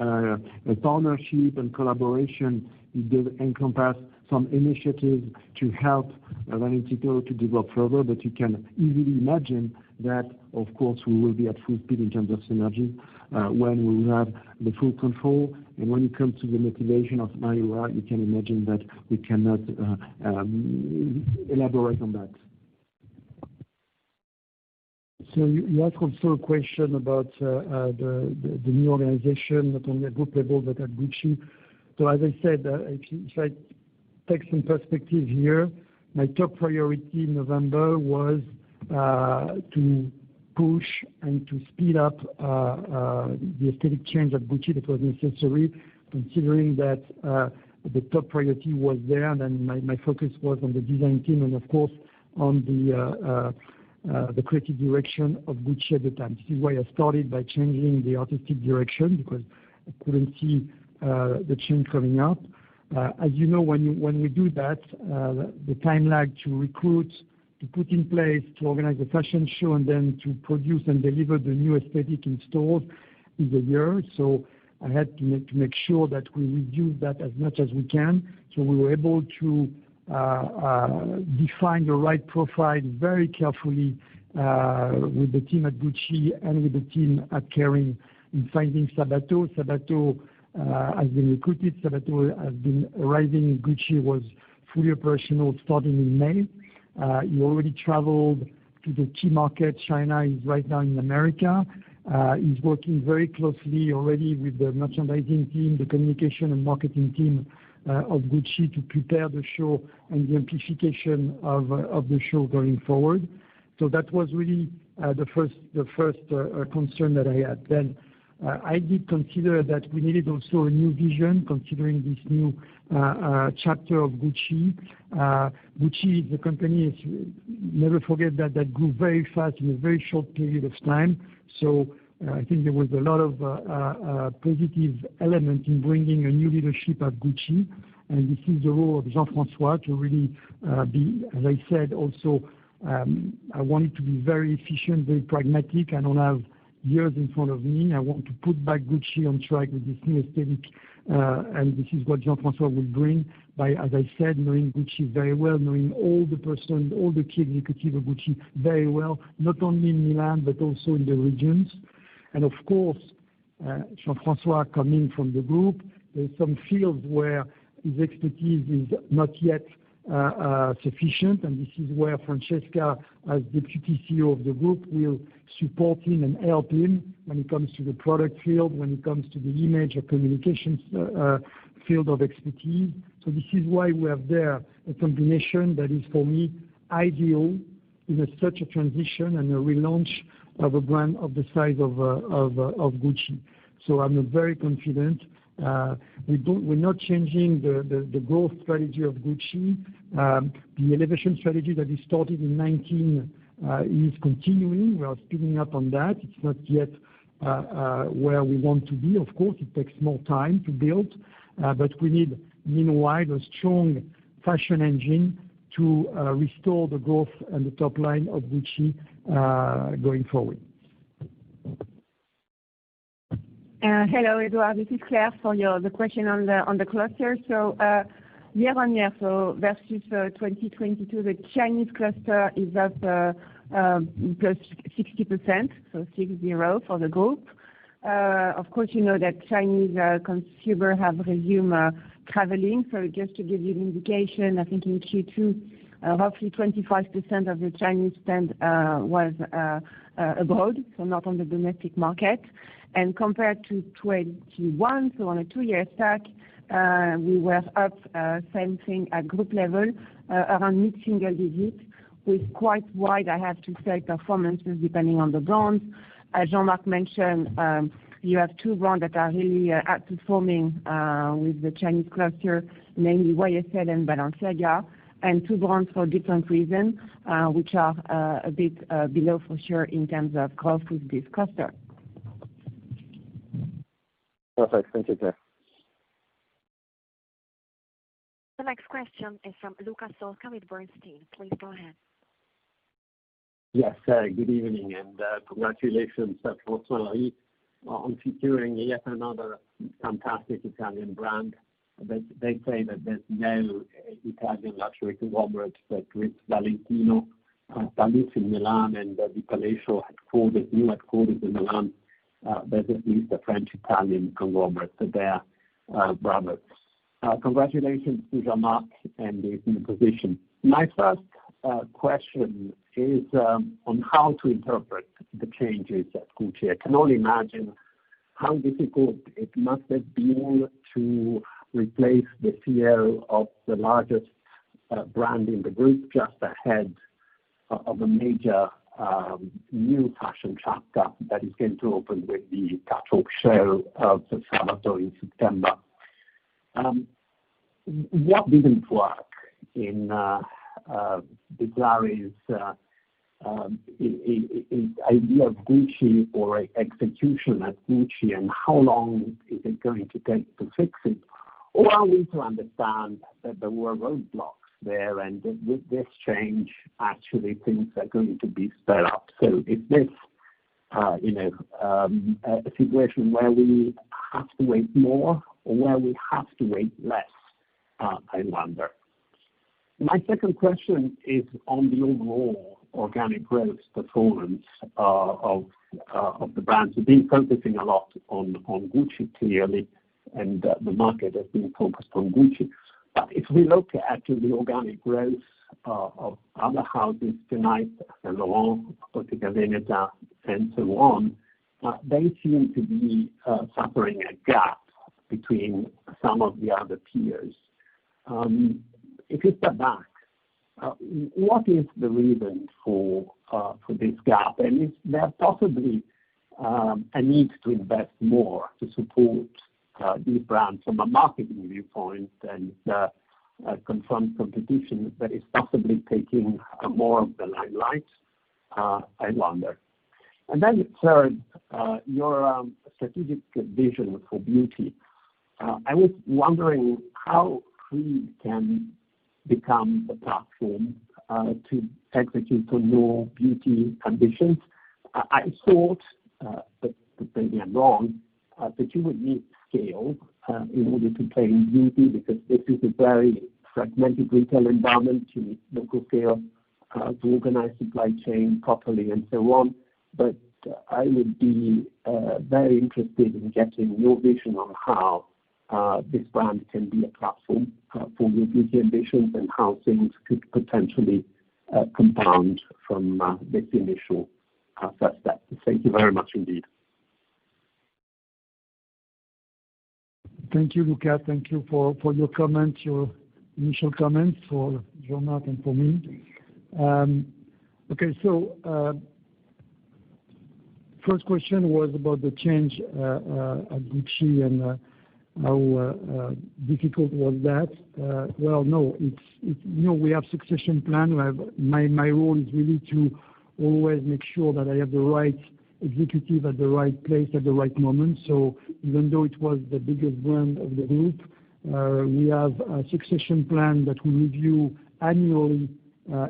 a partnership and collaboration, it does encompass some initiative to help Valentino to develop further. You can easily imagine that, of course, we will be at full speed in terms of synergy when we will have the full control. When it comes to the motivation of Mayhoola, you can imagine that we cannot elaborate on that. You asked also a question about the new organization, not only at group level, but at Gucci. As I said, if I take some perspective here, my top priority in November was to push and to speed up the aesthetic change at Gucci. That was necessary, considering that the top priority was there, and then my focus was on the design team and of course, on the creative direction of Gucci at the time. This is why I started by changing the artistic direction, because I couldn't see the change coming out. As you know, when you, when we do that, the time lag to recruit, to put in place, to organize a fashion show, and then to produce and deliver the new aesthetic in store is a year. I had to make sure that we reduce that as much as we can. We were able to define the right profile very carefully with the team at Gucci and with the team at Kering in finding Sabato. Sabato has been recruited. Sabato has been arriving, and Gucci was fully operational starting in May. He already traveled to the key market, China. He's right now in America. He's working very closely already with the merchandising team, the communication and marketing team of Gucci to prepare the show and the amplification of the show going forward. That was really the first concern that I had. I did consider that we needed also a new vision, considering this new chapter of Gucci. Gucci, the company, is never forget that grew very fast in a very short period of time. I think there was a lot of positive element in bringing a new leadership at Gucci. This is the role of Jean-François to really be, as I said, also, I want it to be very efficient, very pragmatic. I don't have years in front of me. I want to put back Gucci on track with this new aesthetic. This is what Jean-François will bring by, as I said, knowing Gucci very well, knowing all the persons, all the key executives of Gucci very well, not only in Milan, but also in the regions. Of course, Jean-François coming from the group, there's some fields where his expertise is not yet sufficient, and this is where Francesca, as Deputy CEO of the group, will support him and help him when it comes to the product field, when it comes to the image and communications field of expertise. This is why we have there a combination that is, for me, ideal in a such a transition and a relaunch of a brand of the size of Gucci. I'm very confident. We're not changing the growth strategy of Gucci. The elevation strategy that we started in 2019 is continuing. We are speeding up on that. It's not yet where we want to be. Of course, it takes more time to build, but we need, meanwhile, a strong fashion engine to restore the growth and the top line of Gucci going forward. Hello, Edouard, this is Claire for the question on the cluster. Year-on-year, versus 2022, the Chinese cluster is up +60%, so 60 for the group. Of course, you know that Chinese consumer have resumed traveling. Just to give you an indication, I think in Q2, roughly 25% of the Chinese spend was abroad, so not on the domestic market. Compared to 2021, on a two-year stack, we were up same thing at group level, around mid-single digits, with quite wide, I have to say, performances, depending on the brands. As Jean-Marc mentioned, you have two brands that are really outperforming with the Chinese cluster, namely YSL and Balenciaga, and two brands for different reasons, which are a bit below for sure in terms of growth with this cluster. Perfect. Thank you, Claire. The next question is from Luca Solca with Bernstein. Please go ahead. Yes, good evening, congratulations to Kering on featuring yet another fantastic Italian brand. They say that there's no Italian luxury conglomerate that grips Valentino, based in Milan, and that the Palacio had called it, you had called it the Milan, but at least a French-Italian conglomerate, so they are brothers. Congratulations to Jean-Marc and his new position. My first question is on how to interpret the changes at Gucci. I can only imagine how difficult it must have been to replace the CEO of the largest brand in the group, just ahead of a major new fashion chapter that is going to open with the catwalk show of the Sabato in September. What didn't work in Gucci's idea of Gucci or execution at Gucci, and how long is it going to take to fix it? Are we to understand that there were roadblocks there, and with this change, actually, things are going to be sped up? Is this, you know, a situation where we have to wait more or where we have to wait less, I wonder? My second question is on the overall organic growth performance of the brand. We've been focusing a lot on Gucci clearly, and the market has been focused on Gucci. If we look at the organic growth of other houses tonight, Saint Laurent, Bottega Veneta, and so on, they seem to be suffering a gap between some of the other peers. If you step back, what is the reason for this gap? Is there possibly a need to invest more to support these brands from a marketing viewpoint and confront competition that is possibly taking more of the limelight? I wonder. Third, your strategic vision for beauty. I was wondering how we can become the platform to execute on your beauty ambitions? I thought, but maybe I'm wrong, that you would need scale in order to play in beauty, because this is a very fragmented retail environment to local scale, to organize supply chain properly and so on. I would be very interested in getting your vision on how this brand can be a platform for your beauty ambitions and how things could potentially compound from this initial first step. Thank you very much indeed. Thank you, Luca. Thank you for your comments, your initial comments for Jean-Marc and for me. Okay, first question was about the change at Gucci and how difficult was that? Well, no, it's—you know, we have succession plan. My role is really to always make sure that I have the right executive at the right place at the right moment. Even though it was the biggest brand of the group, we have a succession plan that we review annually,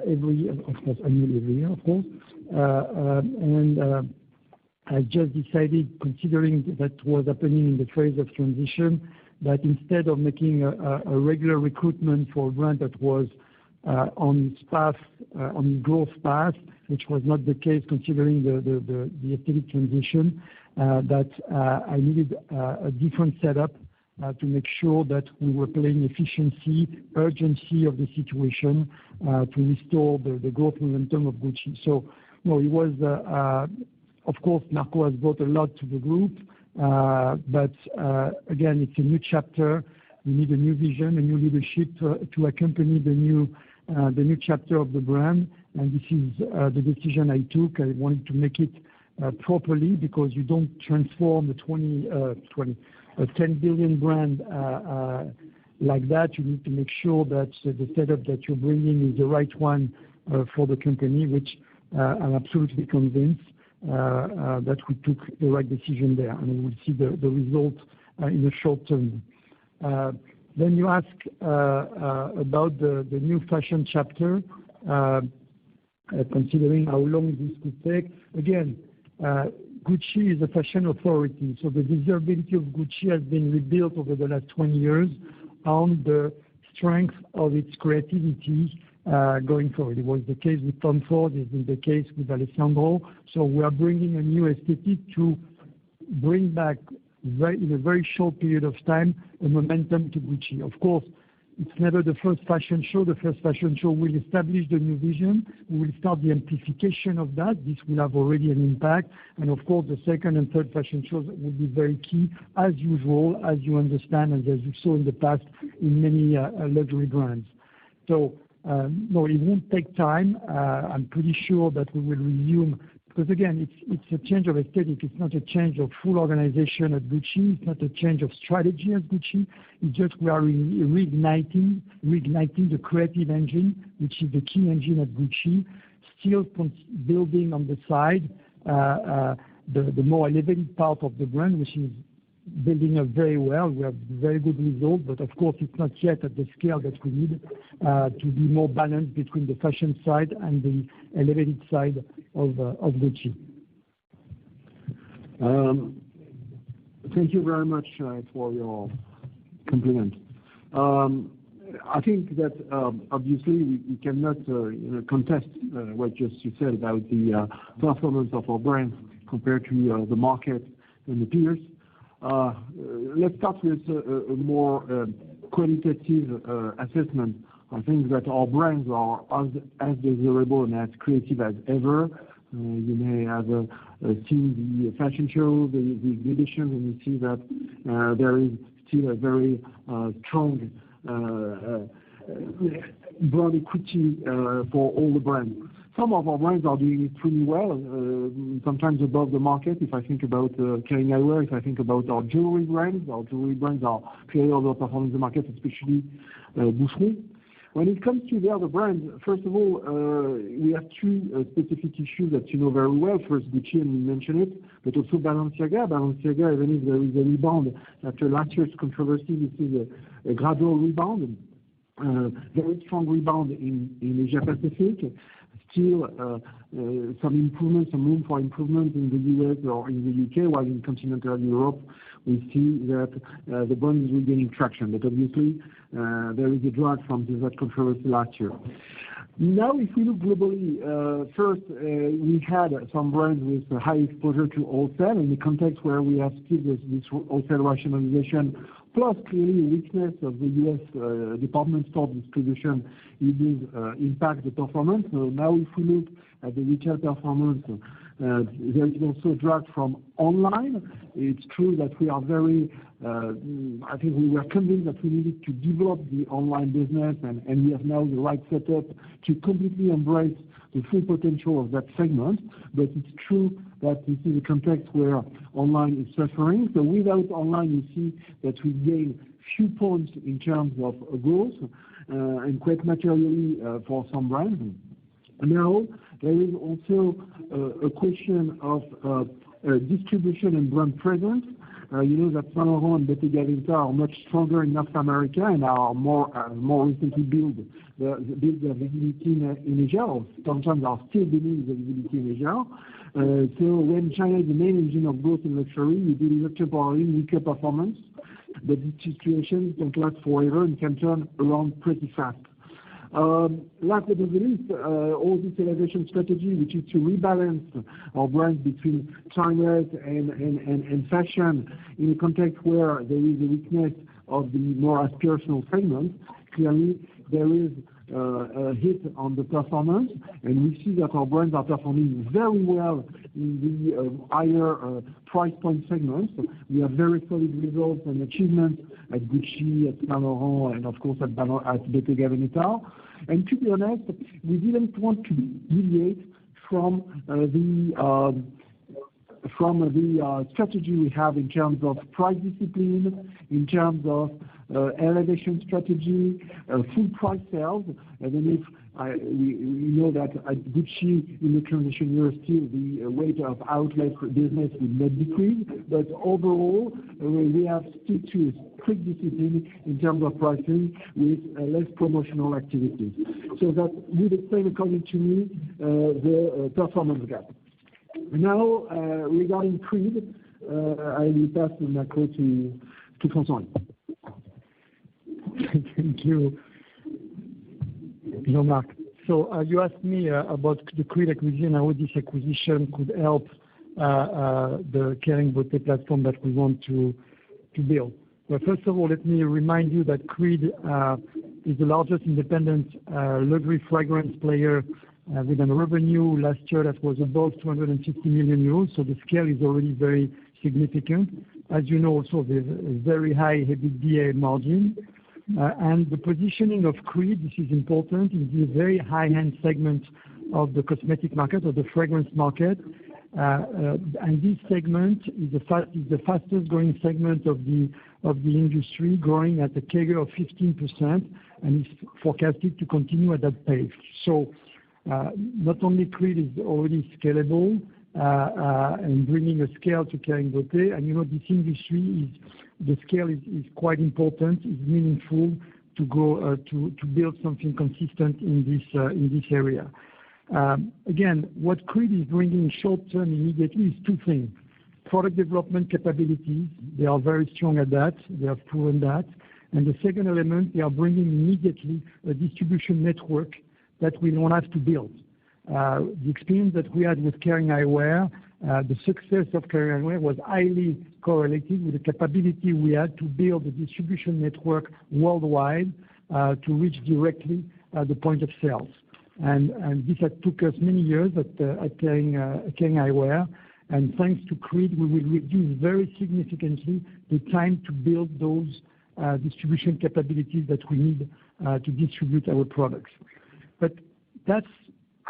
every year, of course, annually every year, of course. I just decided, considering that was happening in the phase of transition, that instead of making a regular recruitment for a brand that was on path, on growth path, which was not the case, considering the active transition, that I needed a different setup to make sure that we were playing efficiency, urgency of the situation, to restore the growth in term of Gucci. No, it was, of course, Marco has brought a lot to the group. Again, it's a new chapter. We need a new vision, a new leadership to accompany the new chapter of the brand, and this is the decision I took. I wanted to make it properly because you don't transform a $10 billion brand like that. You need to make sure that the setup that you're bringing is the right one for the company, which I'm absolutely convinced that we took the right decision there, and we will see the result in the short term. You ask about the new fashion chapter, considering how long this could take. Again, Gucci is a fashion authority, so the desirability of Gucci has been rebuilt over the last 20 years on the strength of its creativity going forward. It was the case with Tom Ford, it is the case with Alessandro. We are bringing a new aesthetic to bring back very, in a very short period of time, a momentum to Gucci. Of course, it's never the first fashion show. The first fashion show will establish the new vision. We will start the amplification of that. This will have already an impact. Of course, the second and third fashion shows will be very key, as usual, as you understand, and as you saw in the past in many luxury brands. No, it won't take time. I'm pretty sure that we will resume, because, again, it's a change of aesthetic. It's not a change of full organization at Gucci. It's not a change of strategy at Gucci. It's just we are reigniting the creative engine, which is the key engine at Gucci. Still building on the side, the more elevated part of the brand, which is building up very well. We have very good results. Of course, it's not yet at the scale that we need to be more balanced between the fashion side and the elevated side of Gucci. Thank you very much for your compliment. I think that obviously, we cannot, you know, contest what just you said about the performance of our brands compared to the market and the peers. Let's start with a more qualitative assessment. I think that our brands are as desirable and as creative as ever. You may have seen the fashion show, the edition, and you see that there is still a very strong brand equity for all the brands. Some of our brands are doing pretty well, sometimes above the market. If I think about Kering Eyewear, if I think about our jewelry brands, our jewelry brands are clearly overperforming the market, especially Boucheron. When it comes to the other brands, first of all, we have two specific issues that you know very well. First, Gucci, and you mentioned it, also Balenciaga. Balenciaga, even if there is a rebound after last year's controversy, we see a gradual rebound, very strong rebound in Asia Pacific. Still, some improvements, some room for improvement in the U.S. or in the U.K. While in Continental Europe, we see that the brand is regaining traction. Obviously, there is a drag from that controversy last year. If we look globally, first, we had some brands with high exposure to wholesale in the context where we have still this wholesale rationalization, plus clearly weakness of the U.S. department store distribution, it is impact the performance. Now, if we look at the retail performance, there is also drag from online. It's true that we are very. I think we were convinced that we needed to develop the online business, and we have now the right setup to completely embrace the full potential of that segment. It's true that we see the context where online is suffering. Without online, you see that we gain few points in terms of growth, and quite materially for some brands. Now, there is also a question of distribution and brand presence. You know that Saint Laurent and Bottega Veneta are much stronger in North America and are more recently build the visibility in Asia, or sometimes are still building the visibility in Asia. When China is the main engine of growth in luxury, you build up our weaker performance. This situation don't last forever and can turn around pretty fast. Last but not least, all this elevation strategy, which is to rebalance our brands between China and fashion in a context where there is a weakness of the more aspirational segments. Clearly, there is a hit on the performance, and we see that our brands are performing very well in the higher price point segments. We have very solid results and achievement at Gucci, at Saint Laurent, and of course, at Bottega Veneta. To be honest, we didn't want to deviate from the from the strategy we have in terms of price discipline, in terms of elevation strategy, full price sales. Even if we know that at Gucci, in the current year, still the weight of outlet business will not decrease. Overall, we have stick to strict discipline in terms of pricing with less promotional activities. That would explain, according to me, the performance gap. Regarding Creed, I will pass the call to François. Thank you, Jean-Marc. You asked me about the Creed acquisition, how this acquisition could help the Kering Beauté platform that we want to build. First of all, let me remind you that Creed is the largest independent luxury fragrance player with a revenue last year that was above 250 million euros. The scale is already very significant. As you know, also, there's a very high EBITDA margin. The positioning of Creed, this is important, is a very high-end segment of the cosmetic market, of the fragrance market. This segment is the fastest growing segment of the industry, growing at a CAGR of 15%, and it's forecasted to continue at that pace. Not only Creed is already scalable and bringing a scale to Kering, and you know, this industry, the scale is quite important, is meaningful to go to build something consistent in this area. Again, what Creed is bringing short-term, immediately, is two things: product development capability, they are very strong at that, they have proven that. The second element, they are bringing immediately a distribution network that we don't have to build. The experience that we had with Kering Eyewear, the success of Kering Eyewear was highly correlated with the capability we had to build a distribution network worldwide to reach directly the point of sales. This had took us many years at Kering, Kering Eyewear, and thanks to Creed, we will reduce very significantly the time to build those distribution capabilities that we need to distribute our products. That's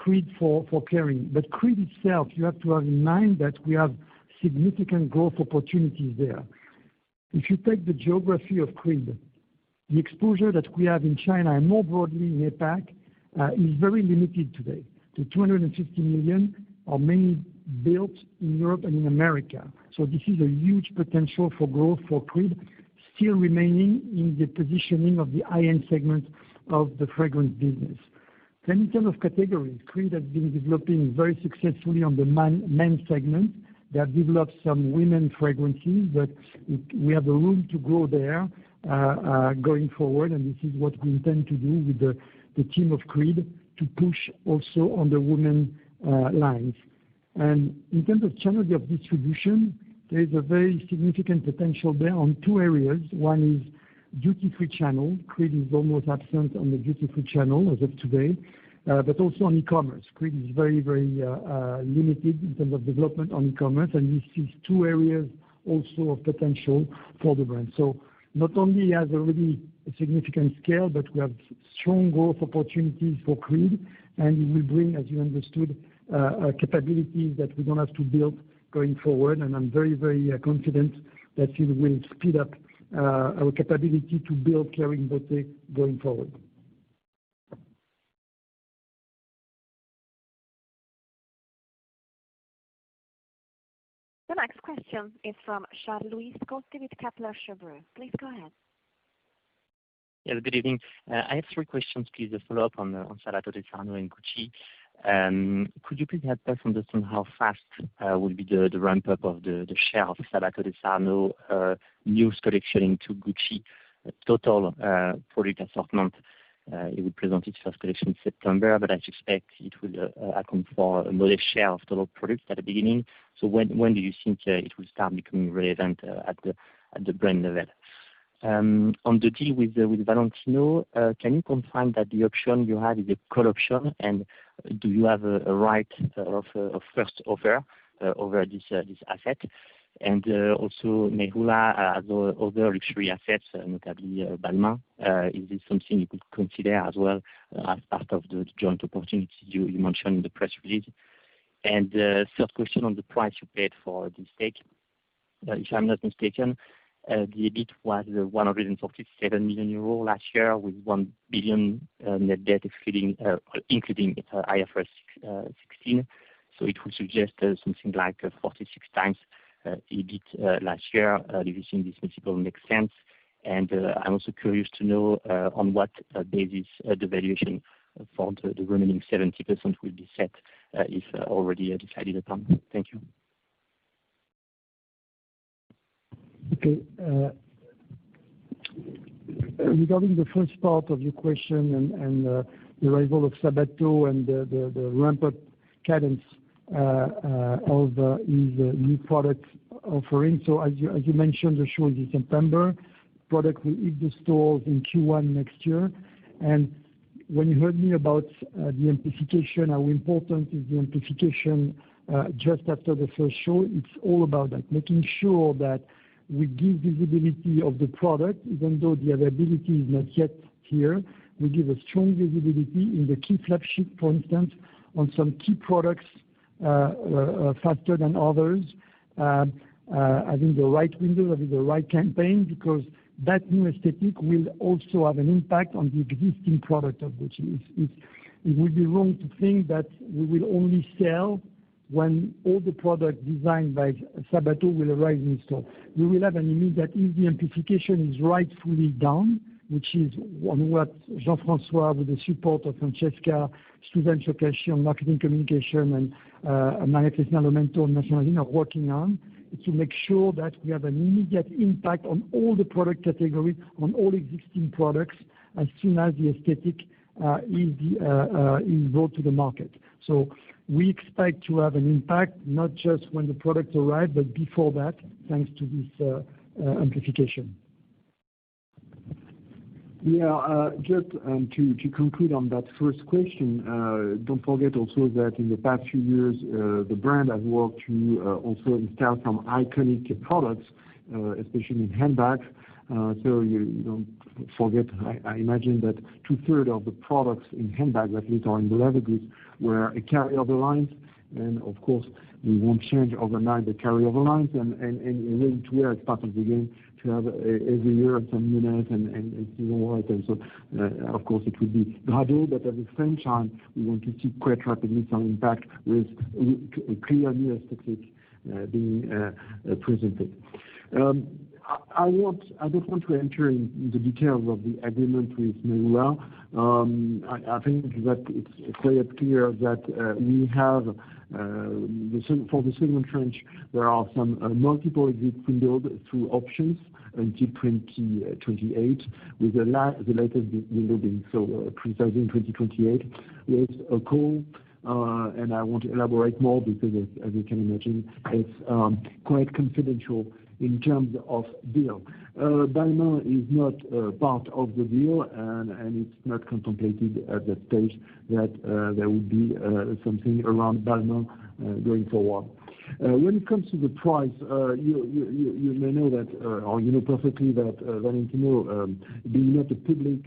Creed for Kering. Creed itself, you have to have in mind that we have significant growth opportunities there. If you take the geography of Creed, the exposure that we have in China, and more broadly in APAC, is very limited today. The 250 million are mainly built in Europe and in America, this is a huge potential for growth for Creed, still remaining in the positioning of the high-end segment of the fragrance business. In terms of categories, Creed has been developing very successfully on the men's segment. They have developed some women fragrances, but we have a room to grow there going forward, and this is what we intend to do with the team of Creed, to push also on the women lines. In terms of channels of distribution, there is a very significant potential there on two areas. One is duty-free channel. Creed is almost absent on the duty-free channel as of today, but also on e-commerce. Creed is very, very limited in terms of development on e-commerce, and this is two areas also of potential for the brand. Not only it has already a significant scale, but we have strong growth opportunities for Creed, and it will bring, as you understood, capabilities that we don't have to build going forward. I'm very confident that it will speed up our capability to build Kering Beauté going forward. The next question is from Charles-Louis Coste with Kepler Cheuvreux. Please go ahead. Yeah, good evening. I have three questions, please, to follow up on Sabato De Sarno and Gucci. Could you please help us understand how fast will be the ramp-up of the share of Sabato De Sarno news collection into Gucci total product assortment? It will present its first collection in September, but I suspect it will account for a modest share of total products at the beginning. When do you think it will start becoming relevant at the brand level? On the deal with Valentino, can you confirm that the option you have is a call option, and do you have a right of first offer over this asset? Also, Mayhoola has other luxury assets, notably Balmain. Is this something you could consider as well as part of the joint opportunity you mentioned in the press release? Third question on the price you paid for the stake. If I'm not mistaken, the EBIT was 147 million euros last year, with 1 billion net debt, including IFRS 16. It would suggest something like 46x EBIT last year. Do you think this multiple makes sense? I'm also curious to know on what basis the valuation for the remaining 70% will be set if already decided upon. Thank you. Regarding the first part of your question and the arrival of Sabato and the ramp-up cadence of his new product offering. As you mentioned, the show is in September. Product will hit the stores in Q1 next year. When you heard me about the amplification, how important is the amplification just after the first show, it's all about that. Making sure that we give visibility of the product, even though the availability is not yet here, we give a strong visibility in the key flagship, for instance, on some key products faster than others, having the right window, having the right campaign, because that new aesthetic will also have an impact on the existing product of Gucci. It's, it would be wrong to think that we will only sell when all the product designed by Sabato will arrive in store. We will have an immediate, if the amplification is rightfully done, which is on what Jean-François, with the support of Francesca, Steven Cocchi on marketing communication, and Maria Cristina Lomanto on merchandising, are working on, to make sure that we have an immediate impact on all the product categories, on all existing products, as soon as the aesthetic is brought to the market. We expect to have an impact, not just when the products arrive, but before that, thanks to this amplification. Yeah, just to conclude on that first question, don't forget also that in the past few years, the brand has worked to also install some iconic products, especially in handbags. You don't forget, I imagine that 2/3 of the products in handbags, at least on the leather goods, were a carry-over lines. Of course, we won't change overnight the carry-over lines, and really to wear as part of the game, to have every year some newness and new items. Of course, it will be gradual, but at the same time, we want to see quite rapidly some impact with a clear new aesthetic being presented. I don't want to enter in the details of the agreement with Mirova. I think that it's quite clear that we have for the second tranche, there are some multiple exits window through options until 2028, with the latest window being pre-2028. It's a call. I want to elaborate more because as you can imagine, it's quite confidential in terms of deal. Balmain is not part of the deal and it's not contemplated at that stage that there will be something around Balmain going forward. When it comes to the price, you may know that or you know perfectly that Valentino, being not a public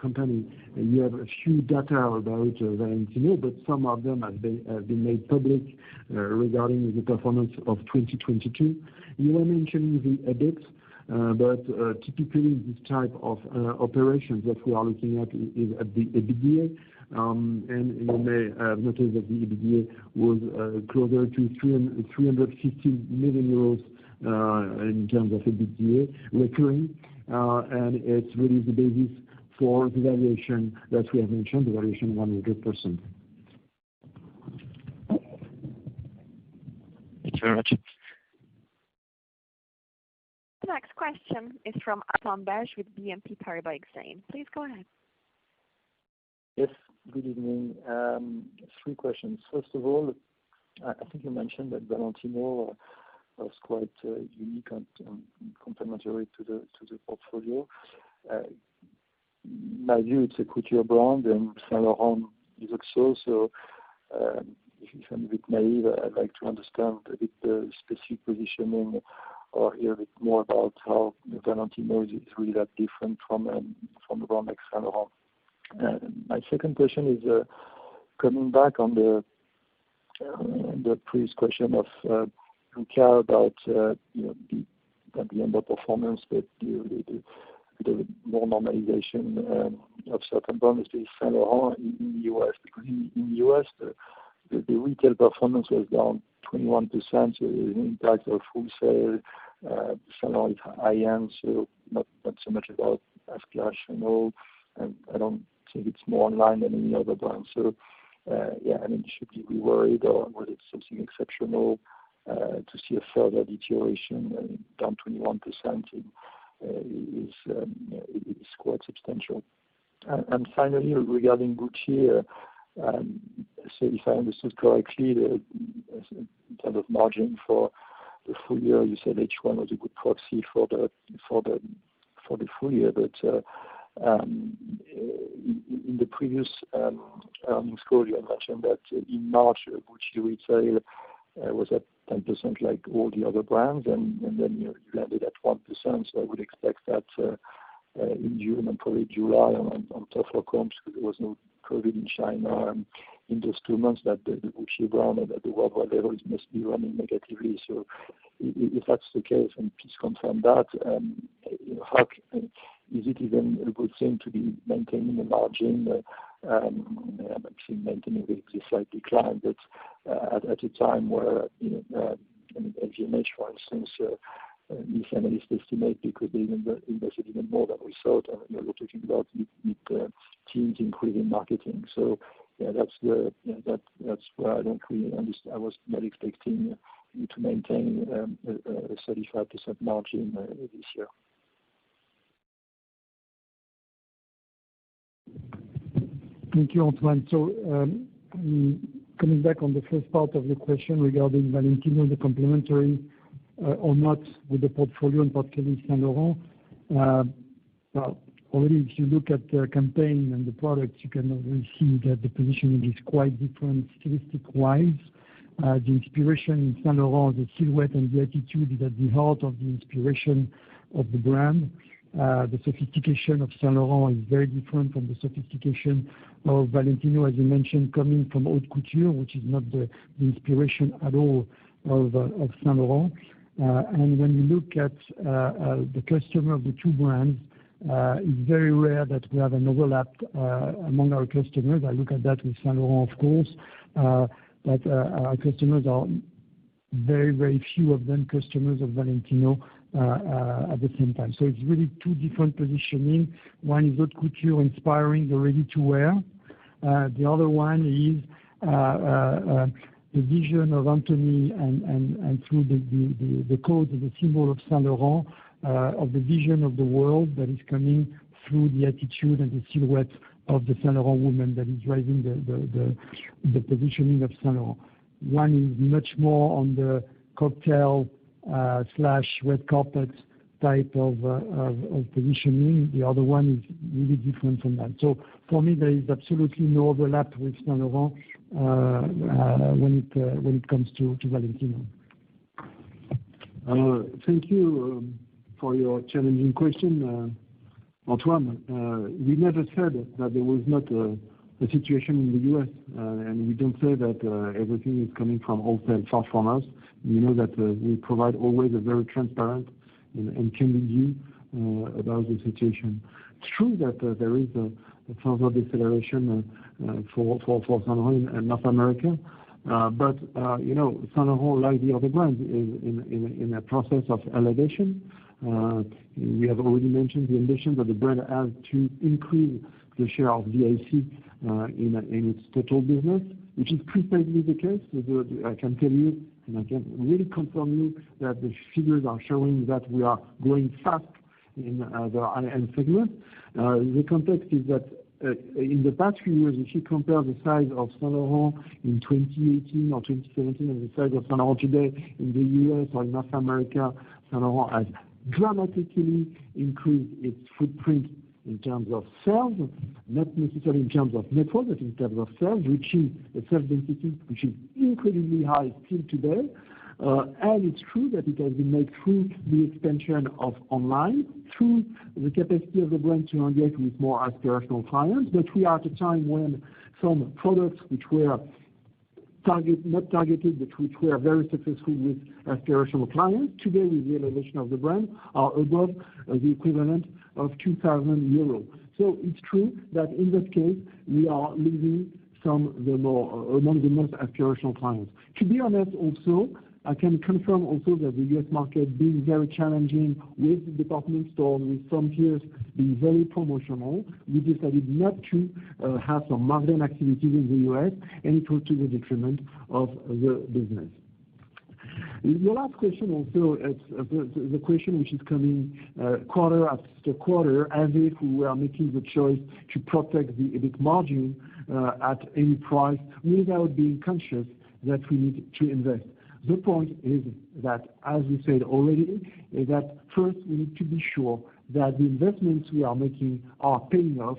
company, you have a few data about Valentino, but some of them have been made public regarding the performance of 2022. You are mentioning the EBIT, typically, this type of operations that we are looking at is EBITDA. You may have noted that the EBITDA was closer to 350 million euros in terms of EBITDA recurring. It's really the basis for the valuation that we have mentioned, the valuation 100%. Thanks very much. The next question is from Antoine Belge with BNP Paribas Exane. Please go ahead. Yes, good evening. Three questions. I think you mentioned that Valentino was quite unique and complementary to the portfolio. It's a couture brand, and Saint Laurent is also, so, if I'm a bit naive, I'd like to understand a bit specific positioning or hear a bit more about how Valentino is really that different from the brand like Saint Laurent? My second question is coming back on the previous question of who care about, you know, at the end of performance, but the more normalization of certain brands, Saint Laurent in the U.S. In the U.S., the retail performance was down 21%, so the impact of wholesale, Saint Laurent, I am so, not so much about as clash, you know, and I don't think it's more online than any other brand. I mean, should we worried or was it something exceptional to see a further deterioration and down 21% is quite substantial. Finally, regarding Gucci, so if I understand correctly, the kind of margin for the full year, you said H1 was a good proxy for the full year. In the previous earnings call, you had mentioned that in March, Gucci retail was at 10% like all the other brands, and then you landed at 1%. I would expect that in June and probably July tougher comps, there was no COVID in China, and in those two months, that the Gucci brand at the worldwide level, it must be running negatively. If that's the case, and please confirm that, how? Is it even a good thing to be maintaining the margin and actually maintaining the slight decline at a time where, you know, LVMH, for instance, the analyst estimate, they could even invest even more than we thought. You know, we're talking about with teams increasing marketing. Yeah, that's where I don't really I was not expecting you to maintain a 35% margin this year. Thank you, Antoine. Coming back on the first part of the question regarding Valentino, the complementary, or not, with the portfolio, in particular Saint Laurent. Well, already, if you look at the campaign and the products, you can already see that the positioning is quite different stylistic-wise. The inspiration in Saint Laurent, the silhouette and the attitude is at the heart of the inspiration of the brand. The sophistication of Saint Laurent is very different from the sophistication of Valentino, as you mentioned, coming from haute couture, which is not the inspiration at all of Saint Laurent. When you look at the customer of the two brands, it's very rare that we have an overlap among our customers. I look at that with Saint Laurent, of course, but, our customers are very, very few of them, customers of Valentino, at the same time. It's really two different positioning. One is haute couture, inspiring the ready-to-wear, the other one is the vision of Anthony and through the code and the symbol of Saint Laurent, of the vision of the world that is coming through the attitude and the silhouette of the Saint Laurent woman that is driving the positioning of Saint Laurent. One is much more on the cocktail slash red carpet type of positioning. The other one is really different from that. For me, there is absolutely no overlap with Saint Laurent, when it comes to Valentino. Thank you for your challenging question, Antoine. We never said that there was not the situation in the U.S., and we don't say that everything is coming from wholesale platforms. You know that we provide always a very transparent and candid view about the situation. It's true that there is a sort of deceleration for Saint Laurent in North America. You know, Saint Laurent, like the other brands, is in a process of elevation. We have already mentioned the ambition that the brand has to increase the share of VIC in its total business, which is precisely the case. I can tell you, and I can really confirm you, that the figures are showing that we are growing fast in the high-end segment. The context is that, in the past few years, if you compare the size of Saint Laurent in 2018 or 2017, and the size of Saint Laurent today in the U.S. or in North America, Saint Laurent has dramatically increased its footprint in terms of sales. Not necessarily in terms of network, but in terms of sales, which is the sales density, which is incredibly high still today. It's true that it has been made through the expansion of online, through the capacity of the brand to engage with more aspirational clients. We are at a time when some products which were not targeted, but which were very successful with aspirational clients, today, with the elevation of the brand, are above the equivalent of 2,000 euros. It's true that in this case, we are losing among the most aspirational clients. To be honest, also, I can confirm also that the U.S. market being very challenging with the department store, with some tiers being very promotional. We decided not to have some modern activities in the U.S., and it was to the detriment of the business. The last question, it's the question which is coming quarter after quarter, as if we are making the choice to protect the EBIT margin at any price, without being conscious that we need to invest. The point is that, as we said already, is that first, we need to be sure that the investments we are making are paying off.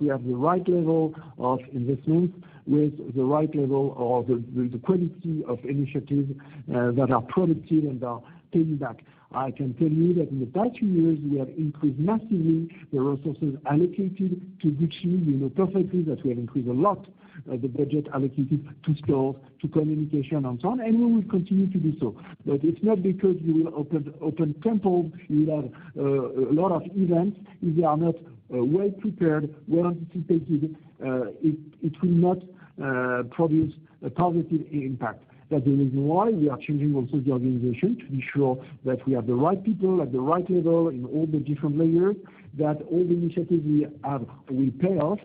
We have the right level of investments, with the right level or the quality of initiatives that are productive and are paying back. I can tell you that in the past few years, we have increased massively the resources allocated to Gucci. We know perfectly that we have increased a lot the budget allocated to stores, to communication, and so on. We will continue to do so. It's not because you will open temples, you will have a lot of events, if they are not well prepared, well anticipated, it will not produce a positive impact. The reason why we are changing also the organization to be sure that we have the right people at the right level in all the different layers, that all the initiatives we have will pay off.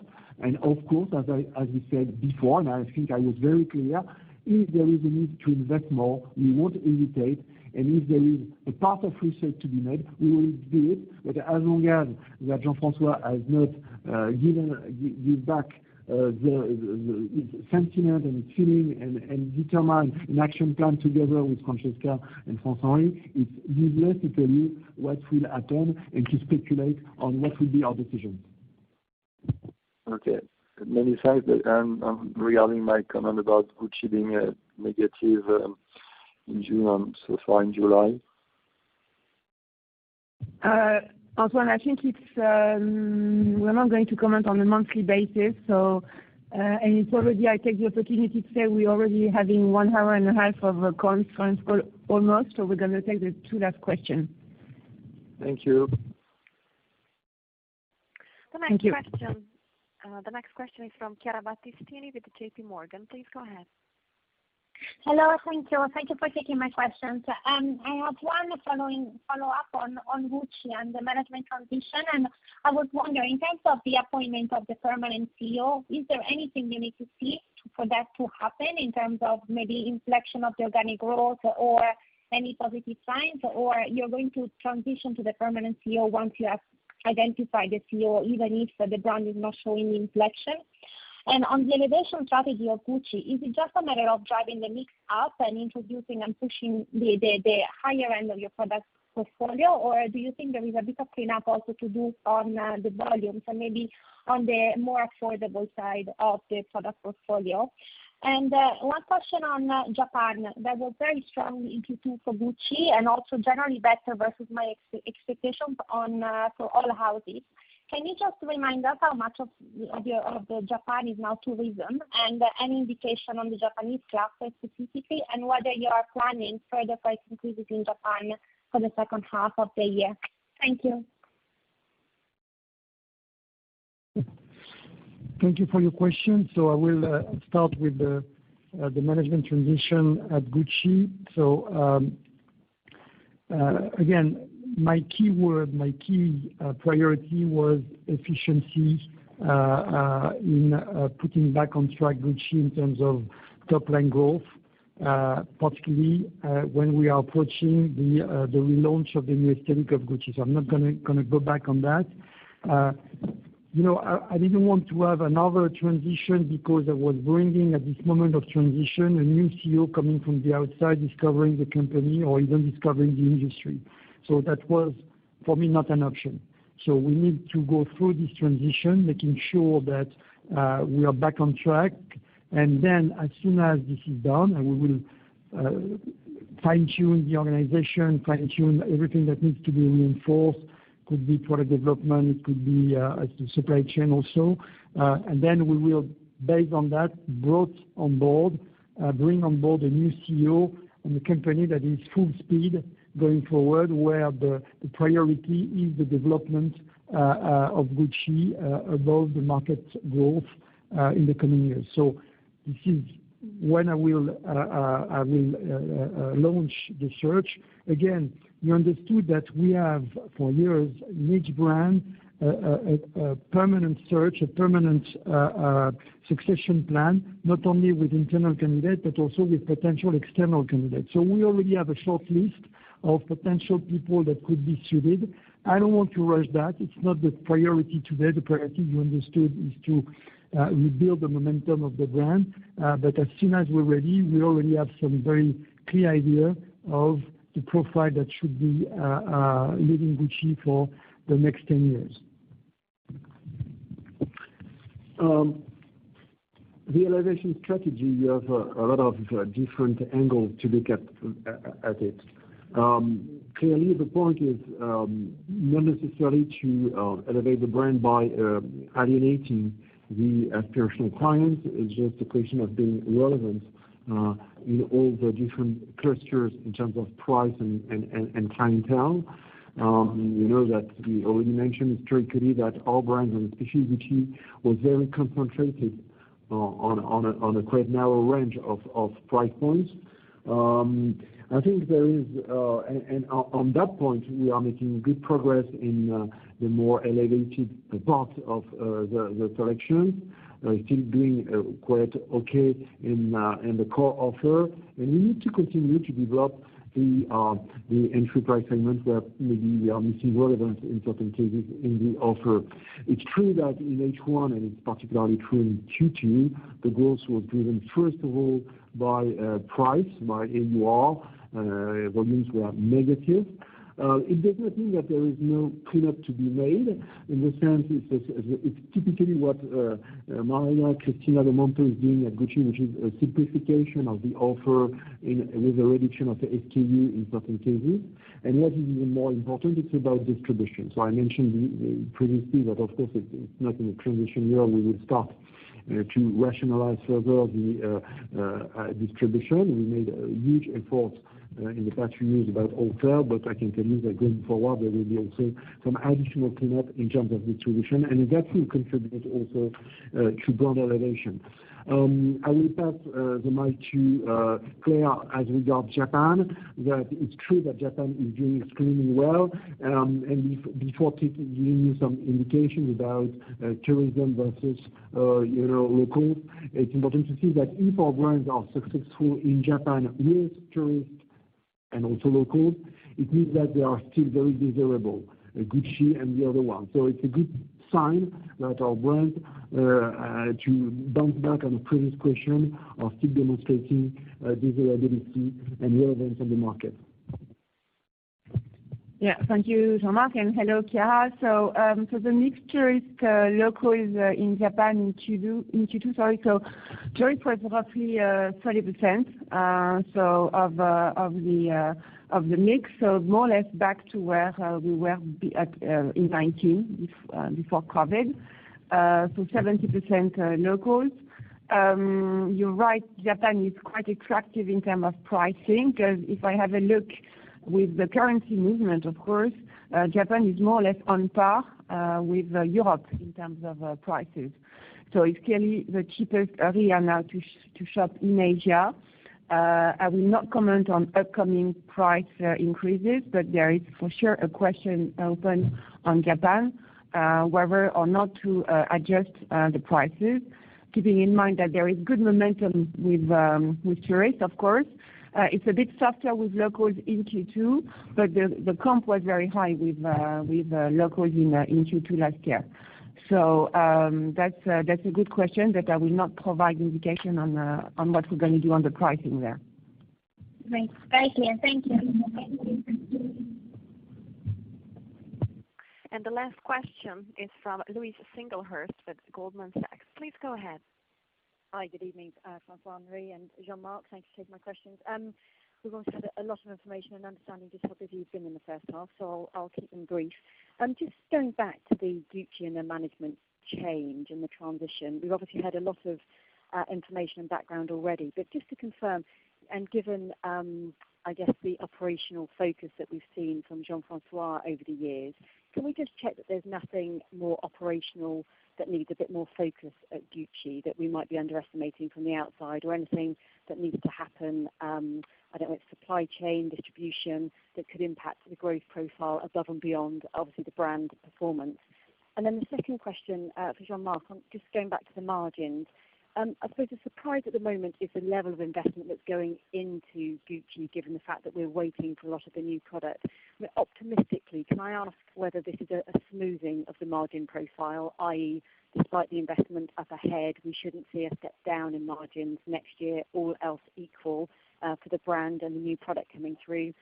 Of course, as we said before, and I think I was very clear, if there is a need to invest more, we won't hesitate. If there is a part of research to be made, we will do it. As long as, that Jean-François has not given back the sentiment and the feeling and determine an action plan together with Francesca and François-Henri, it's useless to tell you what will happen and to speculate on what will be our decision. Okay, many thanks. regarding my comment about Gucci being negative in June and so far in July? Antoine, I think it's, we're not going to comment on a monthly basis. I take the opportunity to say we're already having one hour and a half of a conference call almost. We're gonna take the two last question. Thank you. Thank you. The next question is from Chiara Battistini with JPMorgan. Please go ahead. Hello, thank you. Thank you for taking my questions. I have one following, follow-up on Gucci and the management transition, and I was wondering, in terms of the appointment of the permanent CEO, is there anything you need to see for that to happen in terms of maybe inflection of the organic growth or any positive signs? Or you're going to transition to the permanent CEO once you have identified the CEO, even if the brand is not showing inflection? On the elevation strategy of Gucci, is it just a matter of driving the mix up and introducing and pushing the higher end of your product portfolio? Or do you think there is a bit of cleanup also to do on the volumes and maybe on the more affordable side of the product portfolio? One question on Japan. There was very strong Q2 for Gucci. Also generally better versus my expectations on for all the houses. Can you just remind us how much of the Japan is now tourism, and any indication on the Japanese traffic specifically? Whether you are planning further price increases in Japan for the second half of the year? Thank you. Thank you for your questions. I will start with the management transition at Gucci. Again, my key word, my key priority was efficiency in putting back on track Gucci in terms of top-line growth, particularly when we are approaching the relaunch of the new aesthetic of Gucci. I'm not gonna go back on that. You know, I didn't want to have another transition because I was bringing, at this moment of transition, a new CEO coming from the outside, discovering the company or even discovering the industry. That was, for me, not an option. We need to go through this transition, making sure that we are back on track. Then as soon as this is done, and we will fine-tune the organization, fine-tune everything that needs to be reinforced, could be product development, it could be supply chain also. Then we will, based on that, bring on board a new CEO and a company that is full speed going forward, where the priority is the development of Gucci above the market growth in the coming years. This is when I will launch the search. Again, you understood that we have, for years, each brand, a permanent search, a permanent succession plan, not only with internal candidates, but also with potential external candidates. We already have a short list of potential people that could be suited. I don't want to rush that. It's not the priority today. The priority, you understood, is to rebuild the momentum of the brand. As soon as we're ready, we already have some very clear idea of the profile that should be leading Gucci for the next 10 years. The elevation strategy, you have a lot of different angles to look at it. Clearly, the point is not necessarily to elevate the brand by alienating the aspirational clients. It's just a question of being relevant in all the different clusters in terms of price and clientele. You know that we already mentioned historically that our brands, and especially Gucci, was very concentrated on a quite narrow range of price points. I think there is. On that point, we are making good progress in the more elevated part of the collection. Still doing quite okay in the core offer. We need to continue to develop the entry price segment, where maybe we are missing relevant in certain cases in the offer. It's true that in H1, and it's particularly true in Q2, the goals were driven, first of all, by price, by AUR, volumes were negative. It does not mean that there is no cleanup to be made. In that sense, it's typically what Maria Cristina Lomanto is doing at Gucci, which is a simplification of the offer in, with a reduction of the SKU in certain cases. What is even more important, it's about distribution. I mentioned previously that, of course, it's not in a transition year, we will start to rationalize further the distribution. We made a huge effort in the past few years about offer, but I can tell you that going forward, there will be also some additional cleanup in terms of distribution, and that will contribute also to brand elevation. I will pass the mic to Claire as regard Japan, that it's true that Japan is doing extremely well. If before taking, giving you some indications about tourism versus, you know, local, it's important to see that if our brands are successful in Japan with tourists and also locals, it means that they are still very desirable, Gucci and the other ones. It's a good sign that our brands, to bounce back on the previous question, are still demonstrating desirability and relevance in the market. Thank you, Jean-Marc, hello, Chiara. The mixture is local in Japan in Q2, sorry, joint was roughly 30% of the mix. More or less back to where we were in 2019 before COVID. 70% locals. You're right, Japan is quite attractive in terms of pricing, because if I have a look with the currency movement, of course, Japan is more or less on par with Europe in terms of prices. It's clearly the cheapest area now to shop in Asia. I will not comment on upcoming price increases, but there is for sure a question open on Japan, whether or not to adjust the prices, keeping in mind that there is good momentum with tourists, of course. It's a bit softer with locals in Q2, but the comp was very high with locals in Q2 last year. That's a good question, but I will not provide indication on what we're gonna do on the pricing there. Great. Thank you. Thank you. The last question is from Louise Singlehurst with Goldman Sachs. Please go ahead. Good evening, François-Henri and Jean-Marc. Thank you for taking my questions. We've obviously had a lot of information and understanding just how busy you've been in the first half, I'll keep them brief. Just going back to the Gucci and the management change and the transition, we've obviously had a lot of information and background already. Just to confirm, and given, I guess, the operational focus that we've seen from Jean-François over the years, can we just check that there's nothing more operational that needs a bit more focus at Gucci, that we might be underestimating from the outside, or anything that needs to happen, I don't know, supply chain, distribution, that could impact the growth profile above and beyond, obviously, the brand performance? The second question for Jean-Marc, just going back to the margins. I suppose the surprise at the moment is the level of investment that's going into Gucci, given the fact that we're waiting for a lot of the new product. Optimistically, can I ask whether this is a smoothing of the margin profile, i.e., despite the investment up ahead, we shouldn't see a step down in margins next year, all else equal, for the brand and the new product coming through?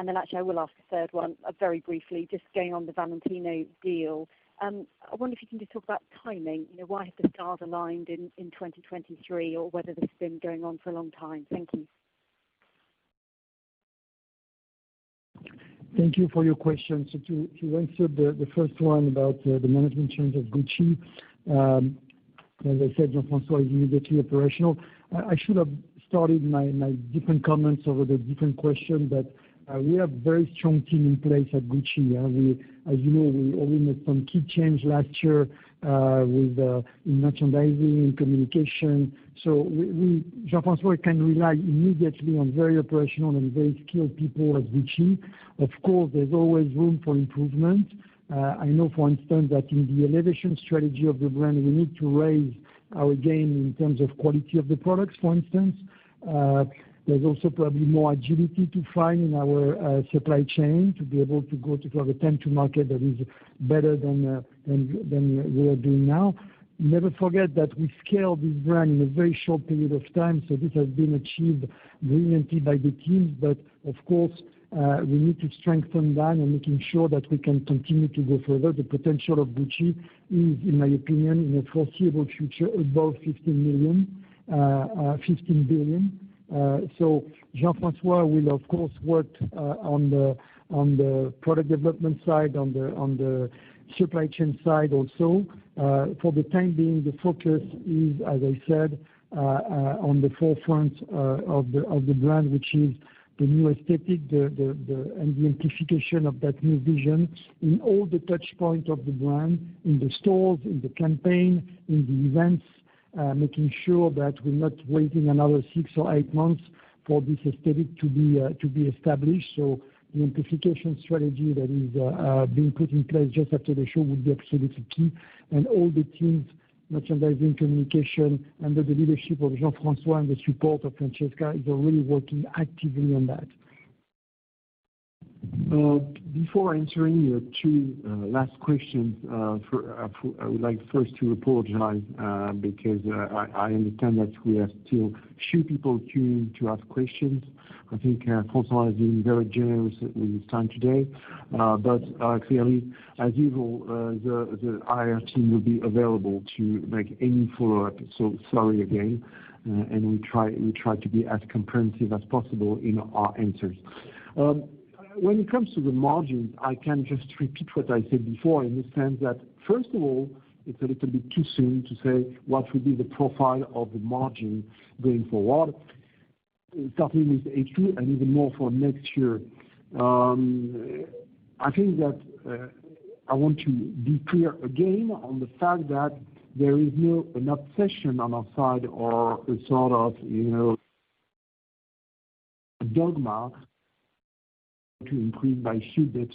Actually, I will ask the third one very briefly, just going on the Valentino deal. I wonder if you can just talk about timing, you know, why have the stars aligned in 2023, or whether this has been going on for a long time? Thank you. Thank you for your question. To answer the first one about the management change of Gucci, as I said, Jean-Marc is immediately operational. I should have started my different comments over the different question, but we have very strong team in place at Gucci, and we, as you know, we made some key changes last year, with in merchandising, in communication. Jean-Marc can rely immediately on very operational and very skilled people at Gucci. Of course, there's always room for improvement. I know, for instance, that in the elevation strategy of the brand, we need to raise our game in terms of quality of the products, for instance. There's also probably more agility to find in our supply chain, to be able to go to have a time to market that is better than we are doing now. Never forget that we scaled this brand in a very short period of time. This has been achieved brilliantly by the teams. Of course, we need to strengthen that and making sure that we can continue to go further. The potential of Gucci is, in my opinion, in the foreseeable future, above 15 billion. Jean-François will, of course, work on the product development side, on the supply chain side also. For the time being, the focus is, as I said, on the forefront, of the brand, which is the new aesthetic, the and the amplification of that new vision in all the touchpoints of the brand, in the stores, in the campaign, in the events. Making sure that we're not waiting another six or eight months for this aesthetic to be established. The amplification strategy that is being put in place just after the show would be absolutely key. All the teams, merchandising, communication, under the leadership of Jean-François and the support of Francesca, is already working actively on that. Before answering your two last questions, I would like first to apologize because I understand that we have still few people queuing to ask questions. I think François is being very generous with his time today. Clearly, as usual, the IR team will be available to make any follow-up. Sorry again, and we try to be as comprehensive as possible in our answers. When it comes to the margins, I can just repeat what I said before, in the sense that, first of all, it's a little bit too soon to say what will be the profile of the margin going forward. Starting with H2 and even more for next year, I think that I want to be clear again on the fact that there is no an obsession on our side or a sort of, you know, dogma to increase by huge bits,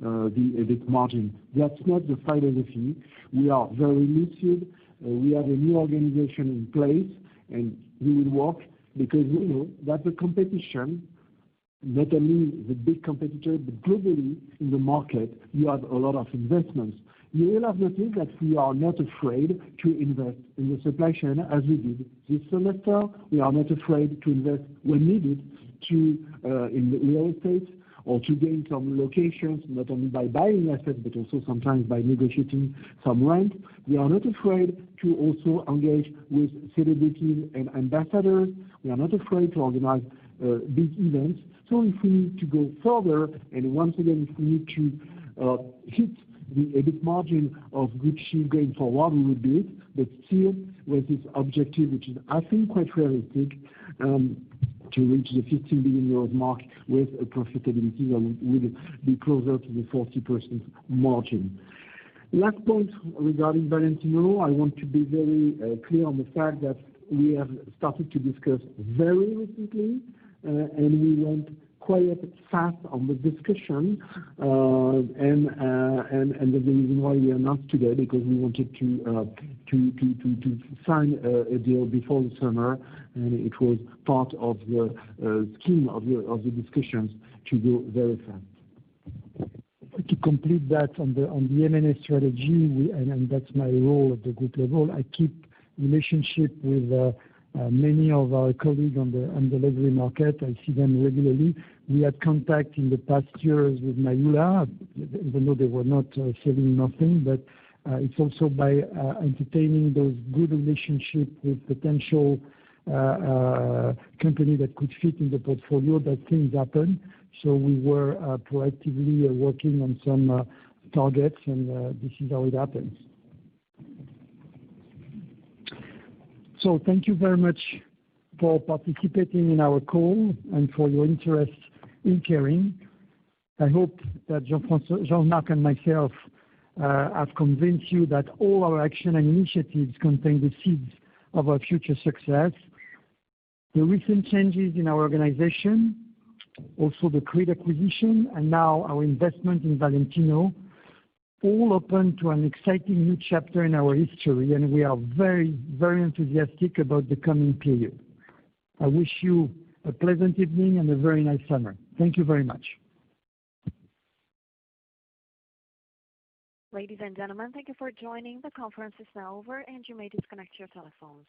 the EBIT margin. That's not the philosophy. We are very muted, we have a new organization in place, and we will work, because, you know, that the competition, not only the big competitor, but globally in the market, you have a lot of investments. You will have noticed that we are not afraid to invest in the supply chain, as we did this semester. We are not afraid to invest when needed, to, in real estate, or to gain some locations, not only by buying assets, but also sometimes by negotiating some rent. We are not afraid to also engage with celebrities and ambassadors. We are not afraid to organize big events. If we need to go further, and once again, if we need to hit a bit margin of Gucci going forward, we will do it. Still, with this objective, which is, I think, quite realistic, to reach the 50 billion euros mark with a profitability that would be closer to the 40% margin. Last point, regarding Valentino, I want to be very clear on the fact that we have started to discuss very recently, and we went quite fast on the discussion. The reason why we are not together, because we wanted to sign a deal before the summer, and it was part of the scheme of the discussions to go very fast. To complete that on the M&A strategy, we, and that's my role at the group level, I keep relationship with many of our colleagues on the luxury market. I see them regularly. We had contact in the past years with Mayhoola, even though they were not selling nothing, but it's also by entertaining those good relationships with potential company that could fit in the portfolio that things happen. We were proactively working on some targets, and this is how it happens. Thank you very much for participating in our call and for your interest in Kering. I hope that Jean-François, Jean-Marc Duplaix, and myself have convinced you that all our action and initiatives contain the seeds of our future success. The recent changes in our organization, also the Creed acquisition, and now our investment in Valentino, all open to an exciting new chapter in our history, and we are very, very enthusiastic about the coming period. I wish you a pleasant evening and a very nice summer. Thank you very much. Ladies and gentlemen, thank you for joining. The conference is now over, and you may disconnect your telephones.